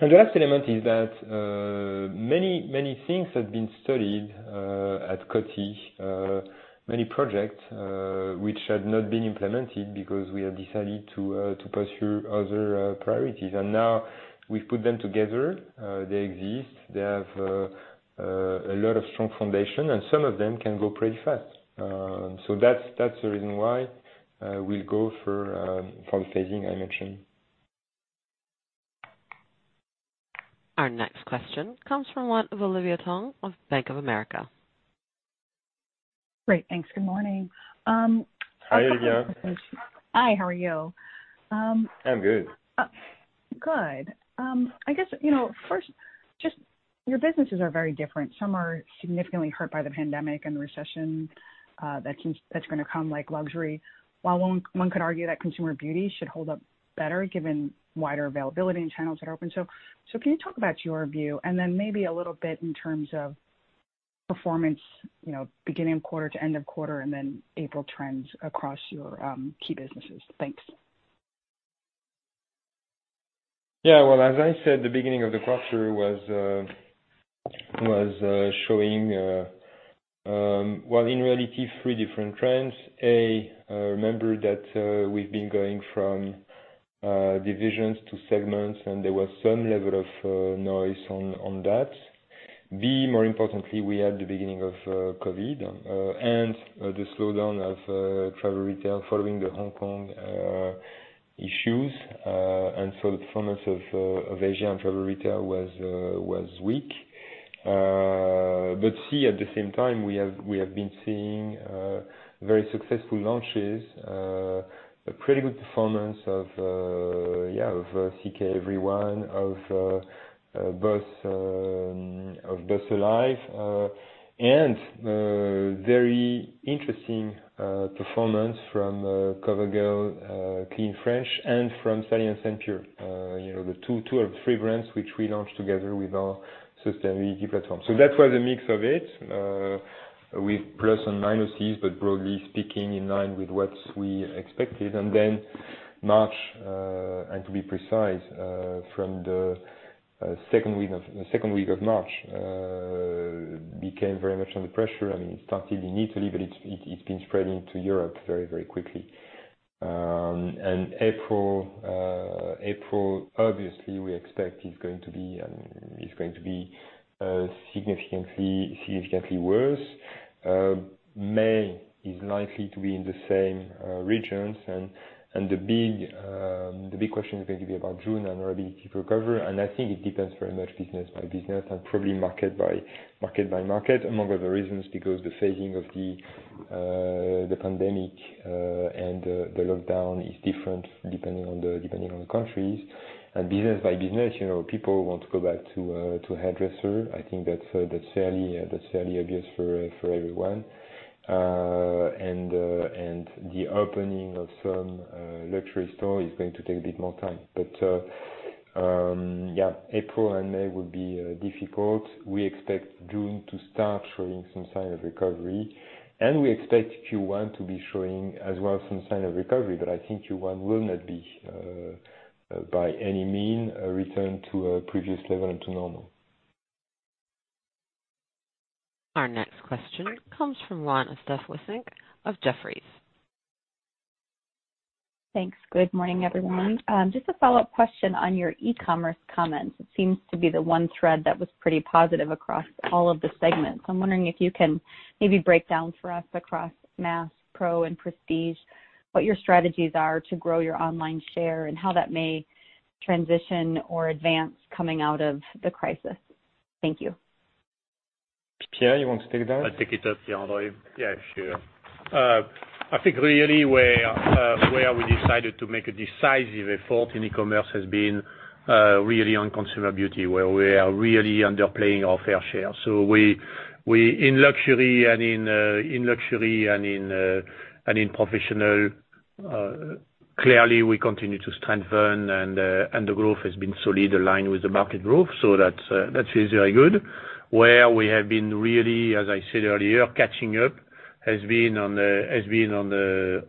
The last element is that many things have been studied at Coty, many projects which had not been implemented because we had decided to pursue other priorities. Now we have put them together. They exist. They have a lot of strong foundation, and some of them can go pretty fast. That is the reason why we will go for the phasing I mentioned. Our next question comes from the line of Olivia Tong of Bank of America. Great. Thanks. Good morning. Hi, Olivia. Hi. How are you? I'm good. Good. I guess first, just your businesses are very different. Some are significantly hurt by the pandemic and the recession that is going to come, like luxury. While one could argue that consumer beauty should hold up better given wider availability and channels that are open. Can you talk about your view and then maybe a little bit in terms of performance, beginning of quarter to end of quarter, and then April trends across your key businesses? Thanks. Yeah. As I said, the beginning of the quarter was showing, in reality, three different trends. A, remember that we've been going from divisions to segments, and there was some level of noise on that. B, more importantly, we had the beginning of COVID and the slowdown of travel retail following the Hong Kong issues. The performance of Asia and travel retail was weak. At the same time, we have been seeing very successful launches, a pretty good performance of, yeah, of CK Everyone, of Boss Alive, and very interesting performance from Covergirl, Clean Fresh, and from Good Kind Pure, the two or three brands which we launched together with our sustainability platform. That was a mix of it with plus and minuses, but broadly speaking, in line with what we expected. Then March, and to be precise, from the second week of March became very much under pressure. I mean, it started in Italy, but it has been spreading to Europe very, very quickly. April, obviously, we expect is going to be—I mean, it is going to be significantly worse. May is likely to be in the same regions. The big question is going to be about June and our ability to recover. I think it depends very much business by business and probably market by market among other reasons because the phasing of the pandemic and the lockdown is different depending on the countries. Business by business, people want to go back to hairdresser. I think that's fairly obvious for everyone. The opening of some luxury stores is going to take a bit more time. April and May will be difficult. We expect June to start showing some sign of recovery, and we expect Q1 to be showing as well some sign of recovery, but I think Q1 will not be, by any means, a return to a previous level and to normal. Our next question comes from the line of [audio distortion] of Jefferies. Thanks. Good morning, everyone. Just a follow-up question on your e-commerce comments. It seems to be the one thread that was pretty positive across all of the segments. I'm wondering if you can maybe break down for us across Mass, Pro, and Prestige what your strategies are to grow your online share and how that may transition or advance coming out of the crisis. Thank you. Pierre, you want to take that? I'll take it up, Pierre-André. Yeah, sure. I think really where we decided to make a decisive effort in e-commerce has been really on consumer beauty, where we are really underplaying our fair share. In luxury and in professional, clearly, we continue to strengthen, and the growth has been solid aligned with the market growth, so that feels very good. Where we have been really, as I said earlier, catching up has been on the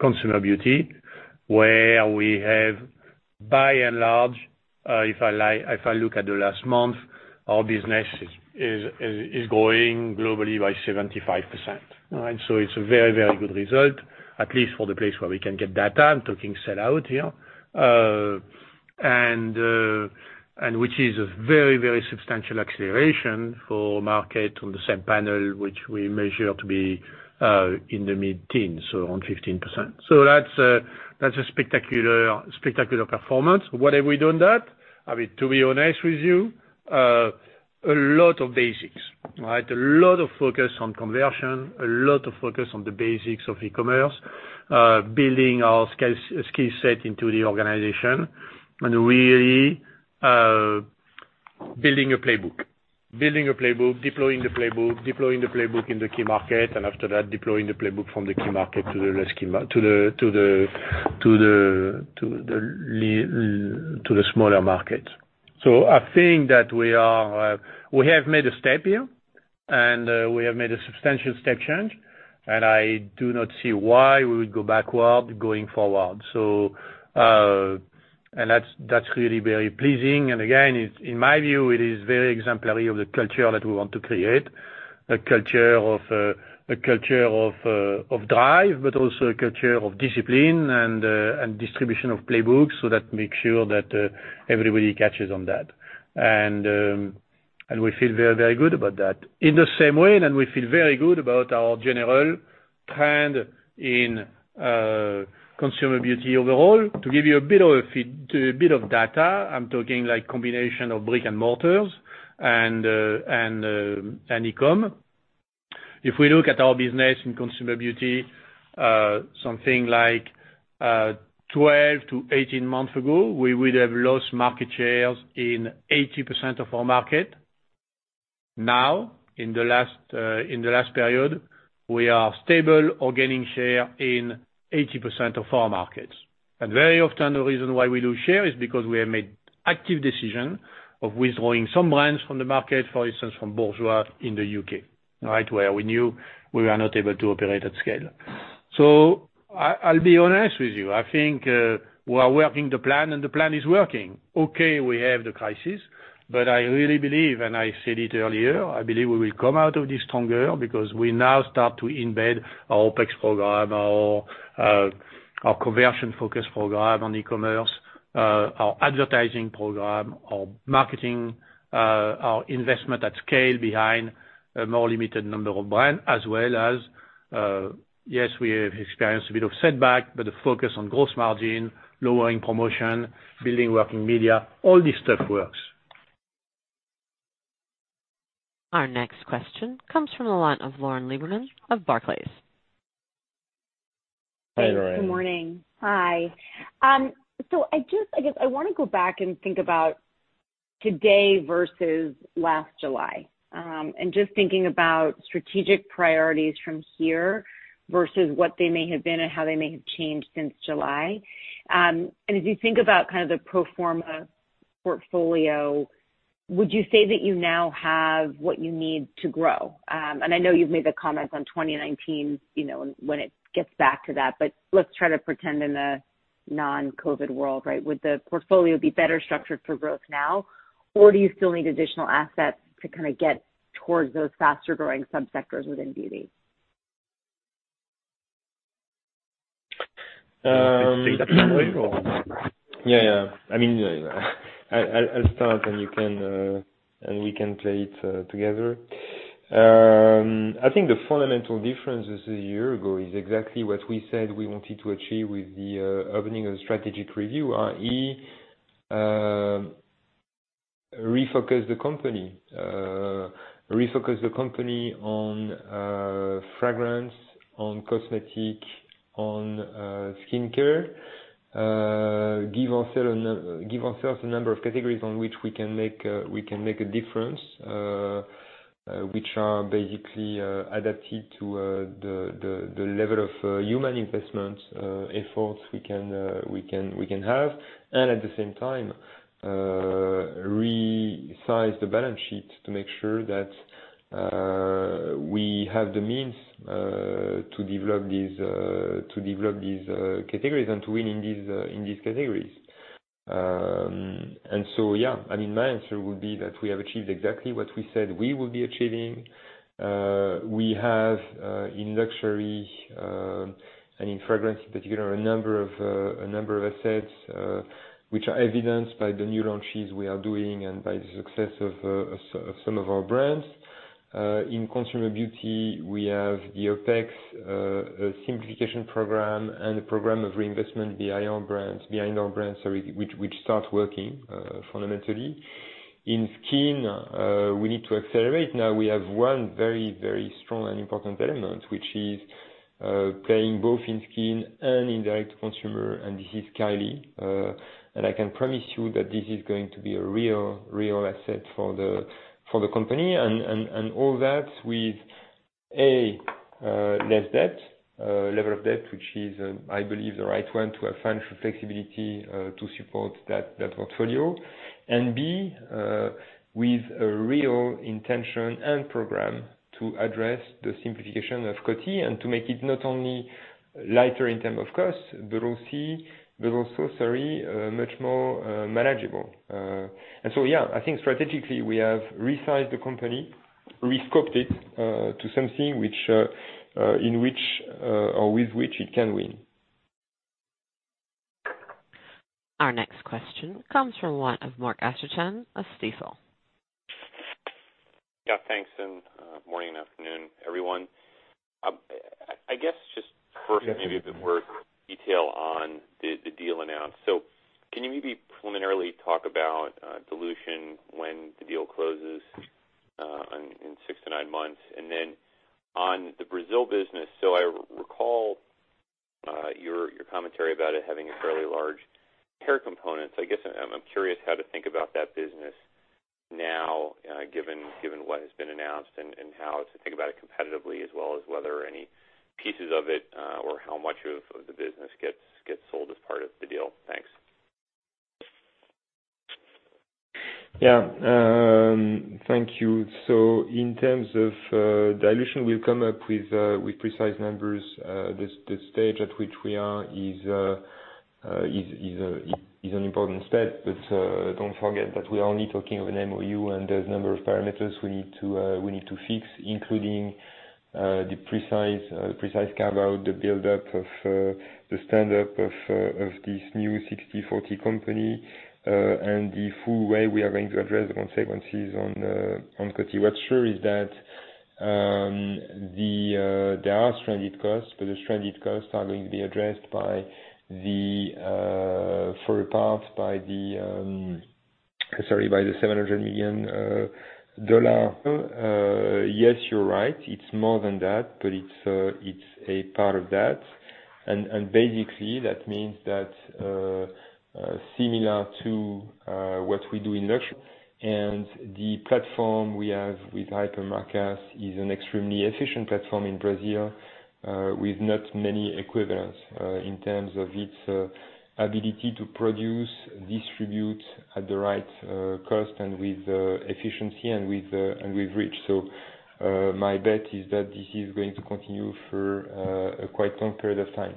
consumer beauty, where we have, by and large, if I look at the last month, our business is growing globally by 75%. It is a very, very good result, at least for the place where we can get data. I am talking sell-out here, which is a very, very substantial acceleration for market on the same panel, which we measure to be in the mid-teens, so around 15%. That is a spectacular performance. What have we done that? I mean, to be honest with you, a lot of basics, right? A lot of focus on conversion, a lot of focus on the basics of e-commerce, building our skill set into the organization, and really building a playbook, building a playbook, deploying the playbook, deploying the playbook in the key market, and after that, deploying the playbook from the key market to the smaller markets. I think that we have made a step here, and we have made a substantial step change, and I do not see why we would go backward going forward. That is really very pleasing. Again, in my view, it is very exemplary of the culture that we want to create, a culture of drive, but also a culture of discipline and distribution of playbooks so that makes sure that everybody catches on that. We feel very, very good about that. In the same way, we feel very good about our general trend in consumer beauty overall. To give you a bit of data, I'm talking like a combination of brick and mortars and e-com. If we look at our business in consumer beauty, something like 12-18 months ago, we would have lost market shares in 80% of our market. Now, in the last period, we are stable or gaining share in 80% of our markets. Very often, the reason why we lose share is because we have made active decisions of withdrawing some brands from the market, for instance, from Bourjois in the U.K., right, where we knew we were not able to operate at scale. I'll be honest with you. I think we are working the plan, and the plan is working. Okay, we have the crisis, but I really believe, and I said it earlier, I believe we will come out of this stronger because we now start to embed our OpEx program, our conversion-focused program on e-commerce, our advertising program, our marketing, our investment at scale behind a more limited number of brands, as well as, yes, we have experienced a bit of setback, but the focus on gross margin, lowering promotion, building working media, all this stuff works. Our next question comes from the line of Lauren Lieberman of Barclays. Hi, Lauren. Good morning. Hi. I guess I want to go back and think about today versus last July and just thinking about strategic priorities from here versus what they may have been and how they may have changed since July. As you think about kind of the pro forma portfolio, would you say that you now have what you need to grow? I know you've made the comments on 2019 when it gets back to that, but let's try to pretend in a non-COVID world, right? Would the portfolio be better structured for growth now, or do you still need additional assets to kind of get towards those faster-growing subsectors within beauty? Yeah, yeah. I mean, I'll start, and we can play it together. I think the fundamental difference is a year ago is exactly what we said we wanted to achieve with the opening of the strategic review, i.e., refocus the company, refocus the company on fragrance, on cosmetic, on skincare, give ourselves a number of categories on which we can make a difference, which are basically adapted to the level of human investment efforts we can have, and at the same time, resize the balance sheet to make sure that we have the means to develop these categories and to win in these categories. Yeah, I mean, my answer would be that we have achieved exactly what we said we will be achieving. We have, in luxury and in fragrance in particular, a number of assets which are evidenced by the new launches we are doing and by the success of some of our brands. In consumer beauty, we have the OpEx simplification program and the program of reinvestment behind our brands which start working fundamentally. In skin, we need to accelerate. Now, we have one very, very strong and important element, which is playing both in skin and in direct consumer, and this is Kylie. I can promise you that this is going to be a real asset for the company. All that with, A, less debt, level of debt, which is, I believe, the right one to have financial flexibility to support that portfolio, and B, with a real intention and program to address the simplification of Coty and to make it not only lighter in terms of cost, but also, sorry, much more manageable. Yeah, I think strategically, we have resized the company, rescoped it to something in which or with which it can win. Our next question comes from the line of Mark Astrachan of Stifel. Yeah. Thanks. And morning and afternoon, everyone. I guess just first, maybe a bit more detail on the deal announced. Can you maybe preliminarily talk about dilution when the deal closes in six to nine months? On the Brazil business, I recall your commentary about it having a fairly large hair component. I guess I'm curious how to think about that business now, given what has been announced and how to think about it competitively as well as whether any pieces of it or how much of the business gets sold as part of the deal. Thanks. Yeah. Thank you. In terms of dilution, we'll come up with precise numbers. The stage at which we are is an important step, but do not forget that we are only talking of an MoU, and there is a number of parameters we need to fix, including the precise carve-out, the build-up of the stand-up of this new 60/40 company and the full way we are going to address the consequences on Coty. What is sure is that there are stranded costs, but the stranded costs are going to be addressed for a part by the—sorry—by the $700 million. Yes, you are right. It is more than that, but it is a part of that. Basically, that means that similar to what we do in luxury, and the platform we have with HyperMarcas is an extremely efficient platform in Brazil with not many equivalents in terms of its ability to produce, distribute at the right cost, and with efficiency and with reach. My bet is that this is going to continue for a quite long period of time.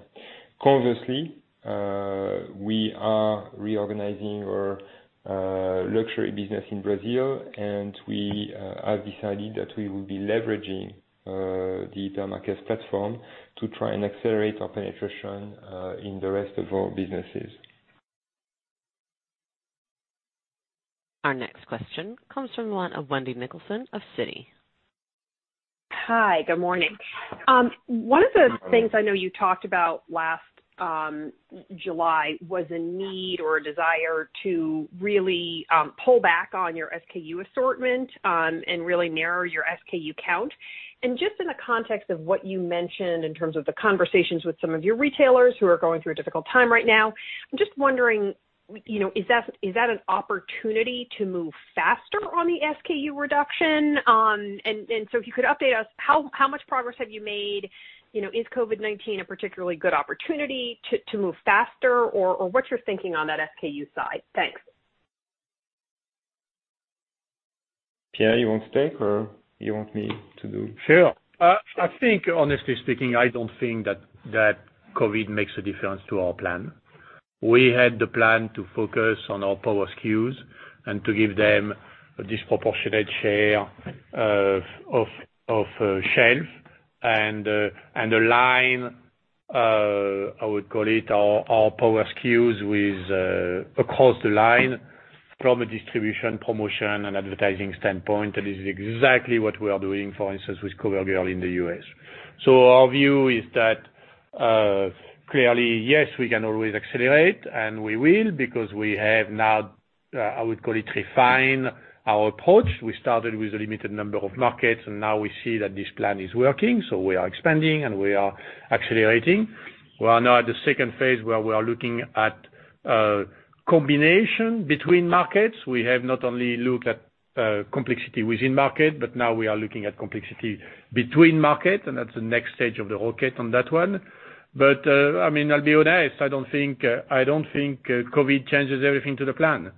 Conversely, we are reorganizing our luxury business in Brazil, and we have decided that we will be leveraging the HyperMarcas platform to try and accelerate our penetration in the rest of our businesses. Our next question comes from the line of Wendy Nicholson of Citi. Hi. Good morning. One of the things I know you talked about last July was a need or a desire to really pull back on your SKU assortment and really narrow your SKU count. And just in the context of what you mentioned in terms of the conversations with some of your retailers who are going through a difficult time right now, I'm just wondering, is that an opportunity to move faster on the SKU reduction? If you could update us, how much progress have you made? Is COVID-19 a particularly good opportunity to move faster, or what's your thinking on that SKU side? Thanks. Pierre, you want to take, or you want me to do? Sure. I think, honestly speaking, I don't think that COVID makes a difference to our plan. We had the plan to focus on our power SKUs and to give them a disproportionate share of shelf and align, I would call it, our power SKUs across the line from a distribution, promotion, and advertising standpoint. This is exactly what we are doing, for instance, with Covergirl in the US. Our view is that clearly, yes, we can always accelerate, and we will because we have now, I would call it, refined our approach. We started with a limited number of markets, and now we see that this plan is working. We are expanding, and we are accelerating. We are now at the second phase where we are looking at a combination between markets. We have not only looked at complexity within market, but now we are looking at complexity between markets, and that's the next stage of the rocket on that one. I mean, I'll be honest, I don't think COVID changes everything to the plan.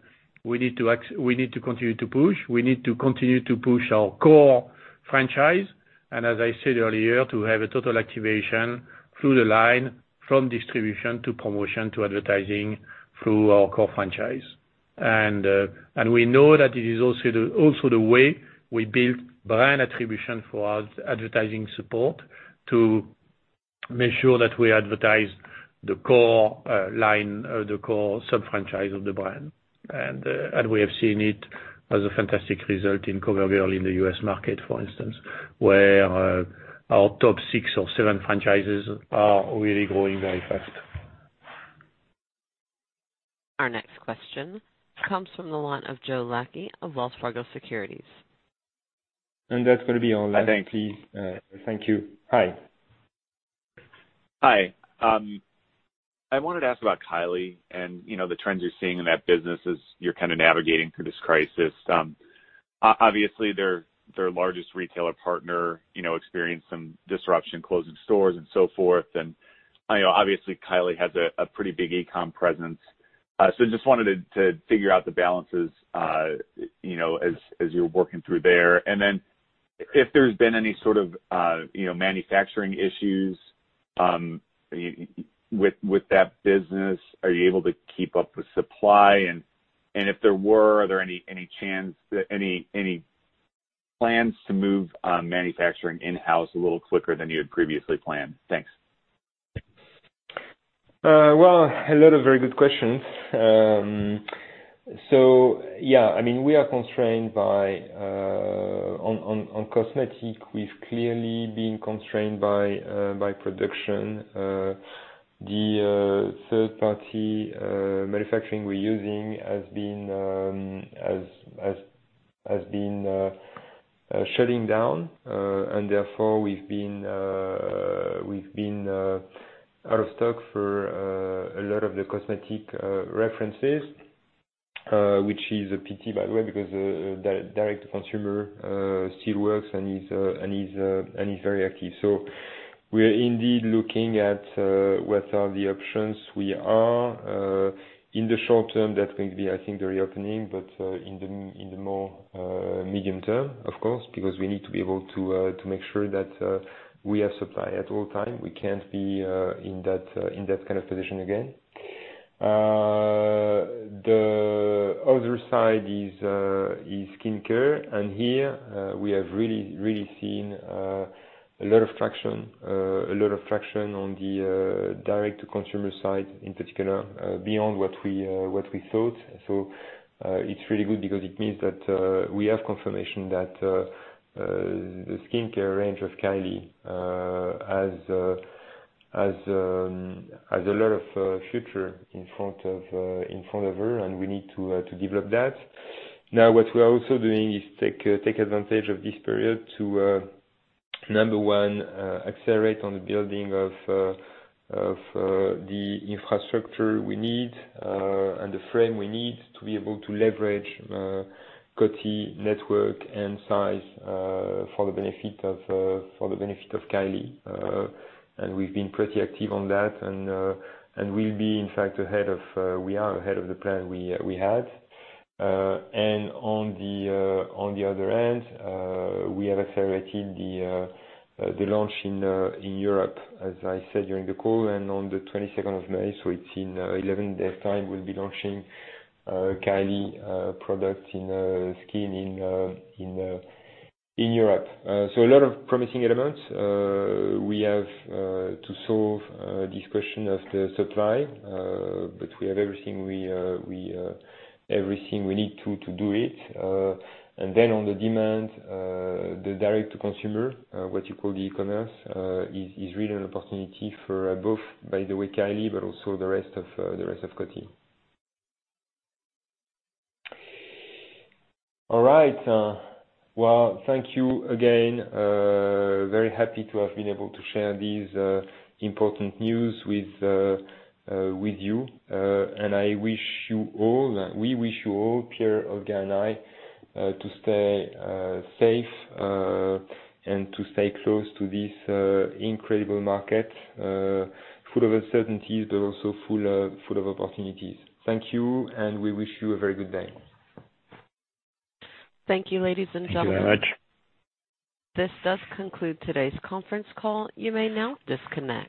We need to continue to push. We need to continue to push our core franchise. As I said earlier, to have a total activation through the line from distribution to promotion to advertising through our core franchise. We know that it is also the way we build brand attribution for our advertising support to make sure that we advertise the core line, the core sub-franchise of the brand. We have seen it as a fantastic result in Covergirl in the US market, for instance, where our top six or seven franchises are really growing very fast. Our next question comes from the line of Joe Lackey of Wells Fargo Securities. That's going to be online. Thank you. Thank you. Hi. Hi. I wanted to ask about Kylie and the trends you're seeing in that business as you're kind of navigating through this crisis. Obviously, their largest retailer partner experienced some disruption, closing stores and so forth. Obviously, Kylie has a pretty big e-comm presence. I just wanted to figure out the balances as you're working through there. If there's been any sort of manufacturing issues with that business, are you able to keep up with supply? If there were, are there any plans to move manufacturing in-house a little quicker than you had previously planned? Thanks. A lot of very good questions. Yeah, I mean, we are constrained on cosmetic. We've clearly been constrained by production. The third-party manufacturing we're using has been shutting down, and therefore, we've been out of stock for a lot of the cosmetic references, which is a pity, by the way, because direct-to-consumer still works and is very active. We're indeed looking at what are the options we are. In the short term, that's going to be, I think, the reopening, but in the more medium term, of course, because we need to be able to make sure that we have supply at all times. We can't be in that kind of position again. The other side is skincare. Here, we have really seen a lot of traction, a lot of traction on the direct-to-consumer side in particular, beyond what we thought. It is really good because it means that we have confirmation that the skincare range of Kylie has a lot of future in front of her, and we need to develop that. Now, what we are also doing is take advantage of this period to, number one, accelerate on the building of the infrastructure we need and the frame we need to be able to leverage Coty network and size for the benefit of Kylie. We have been pretty active on that and will be, in fact, ahead of—we are ahead of the plan we had. On the other end, we have accelerated the launch in Europe, as I said during the call, and on the 22nd of May, so it's in 11 days' time, we'll be launching Kylie products in skin in Europe. A lot of promising elements. We have to solve this question of the supply, but we have everything we need to do it. On the demand, the direct-to-consumer, what you call the e-commerce, is really an opportunity for both, by the way, Kylie, but also the rest of Coty. All right. Thank you again. Very happy to have been able to share these important news with you. I wish you all—we wish you all, Pierre, Olga, and I, to stay safe and to stay close to this incredible market, full of uncertainties, but also full of opportunities. Thank you, and we wish you a very good day. Thank you, ladies and gentlemen. Thank you very much. This does conclude today's conference call. You may now disconnect.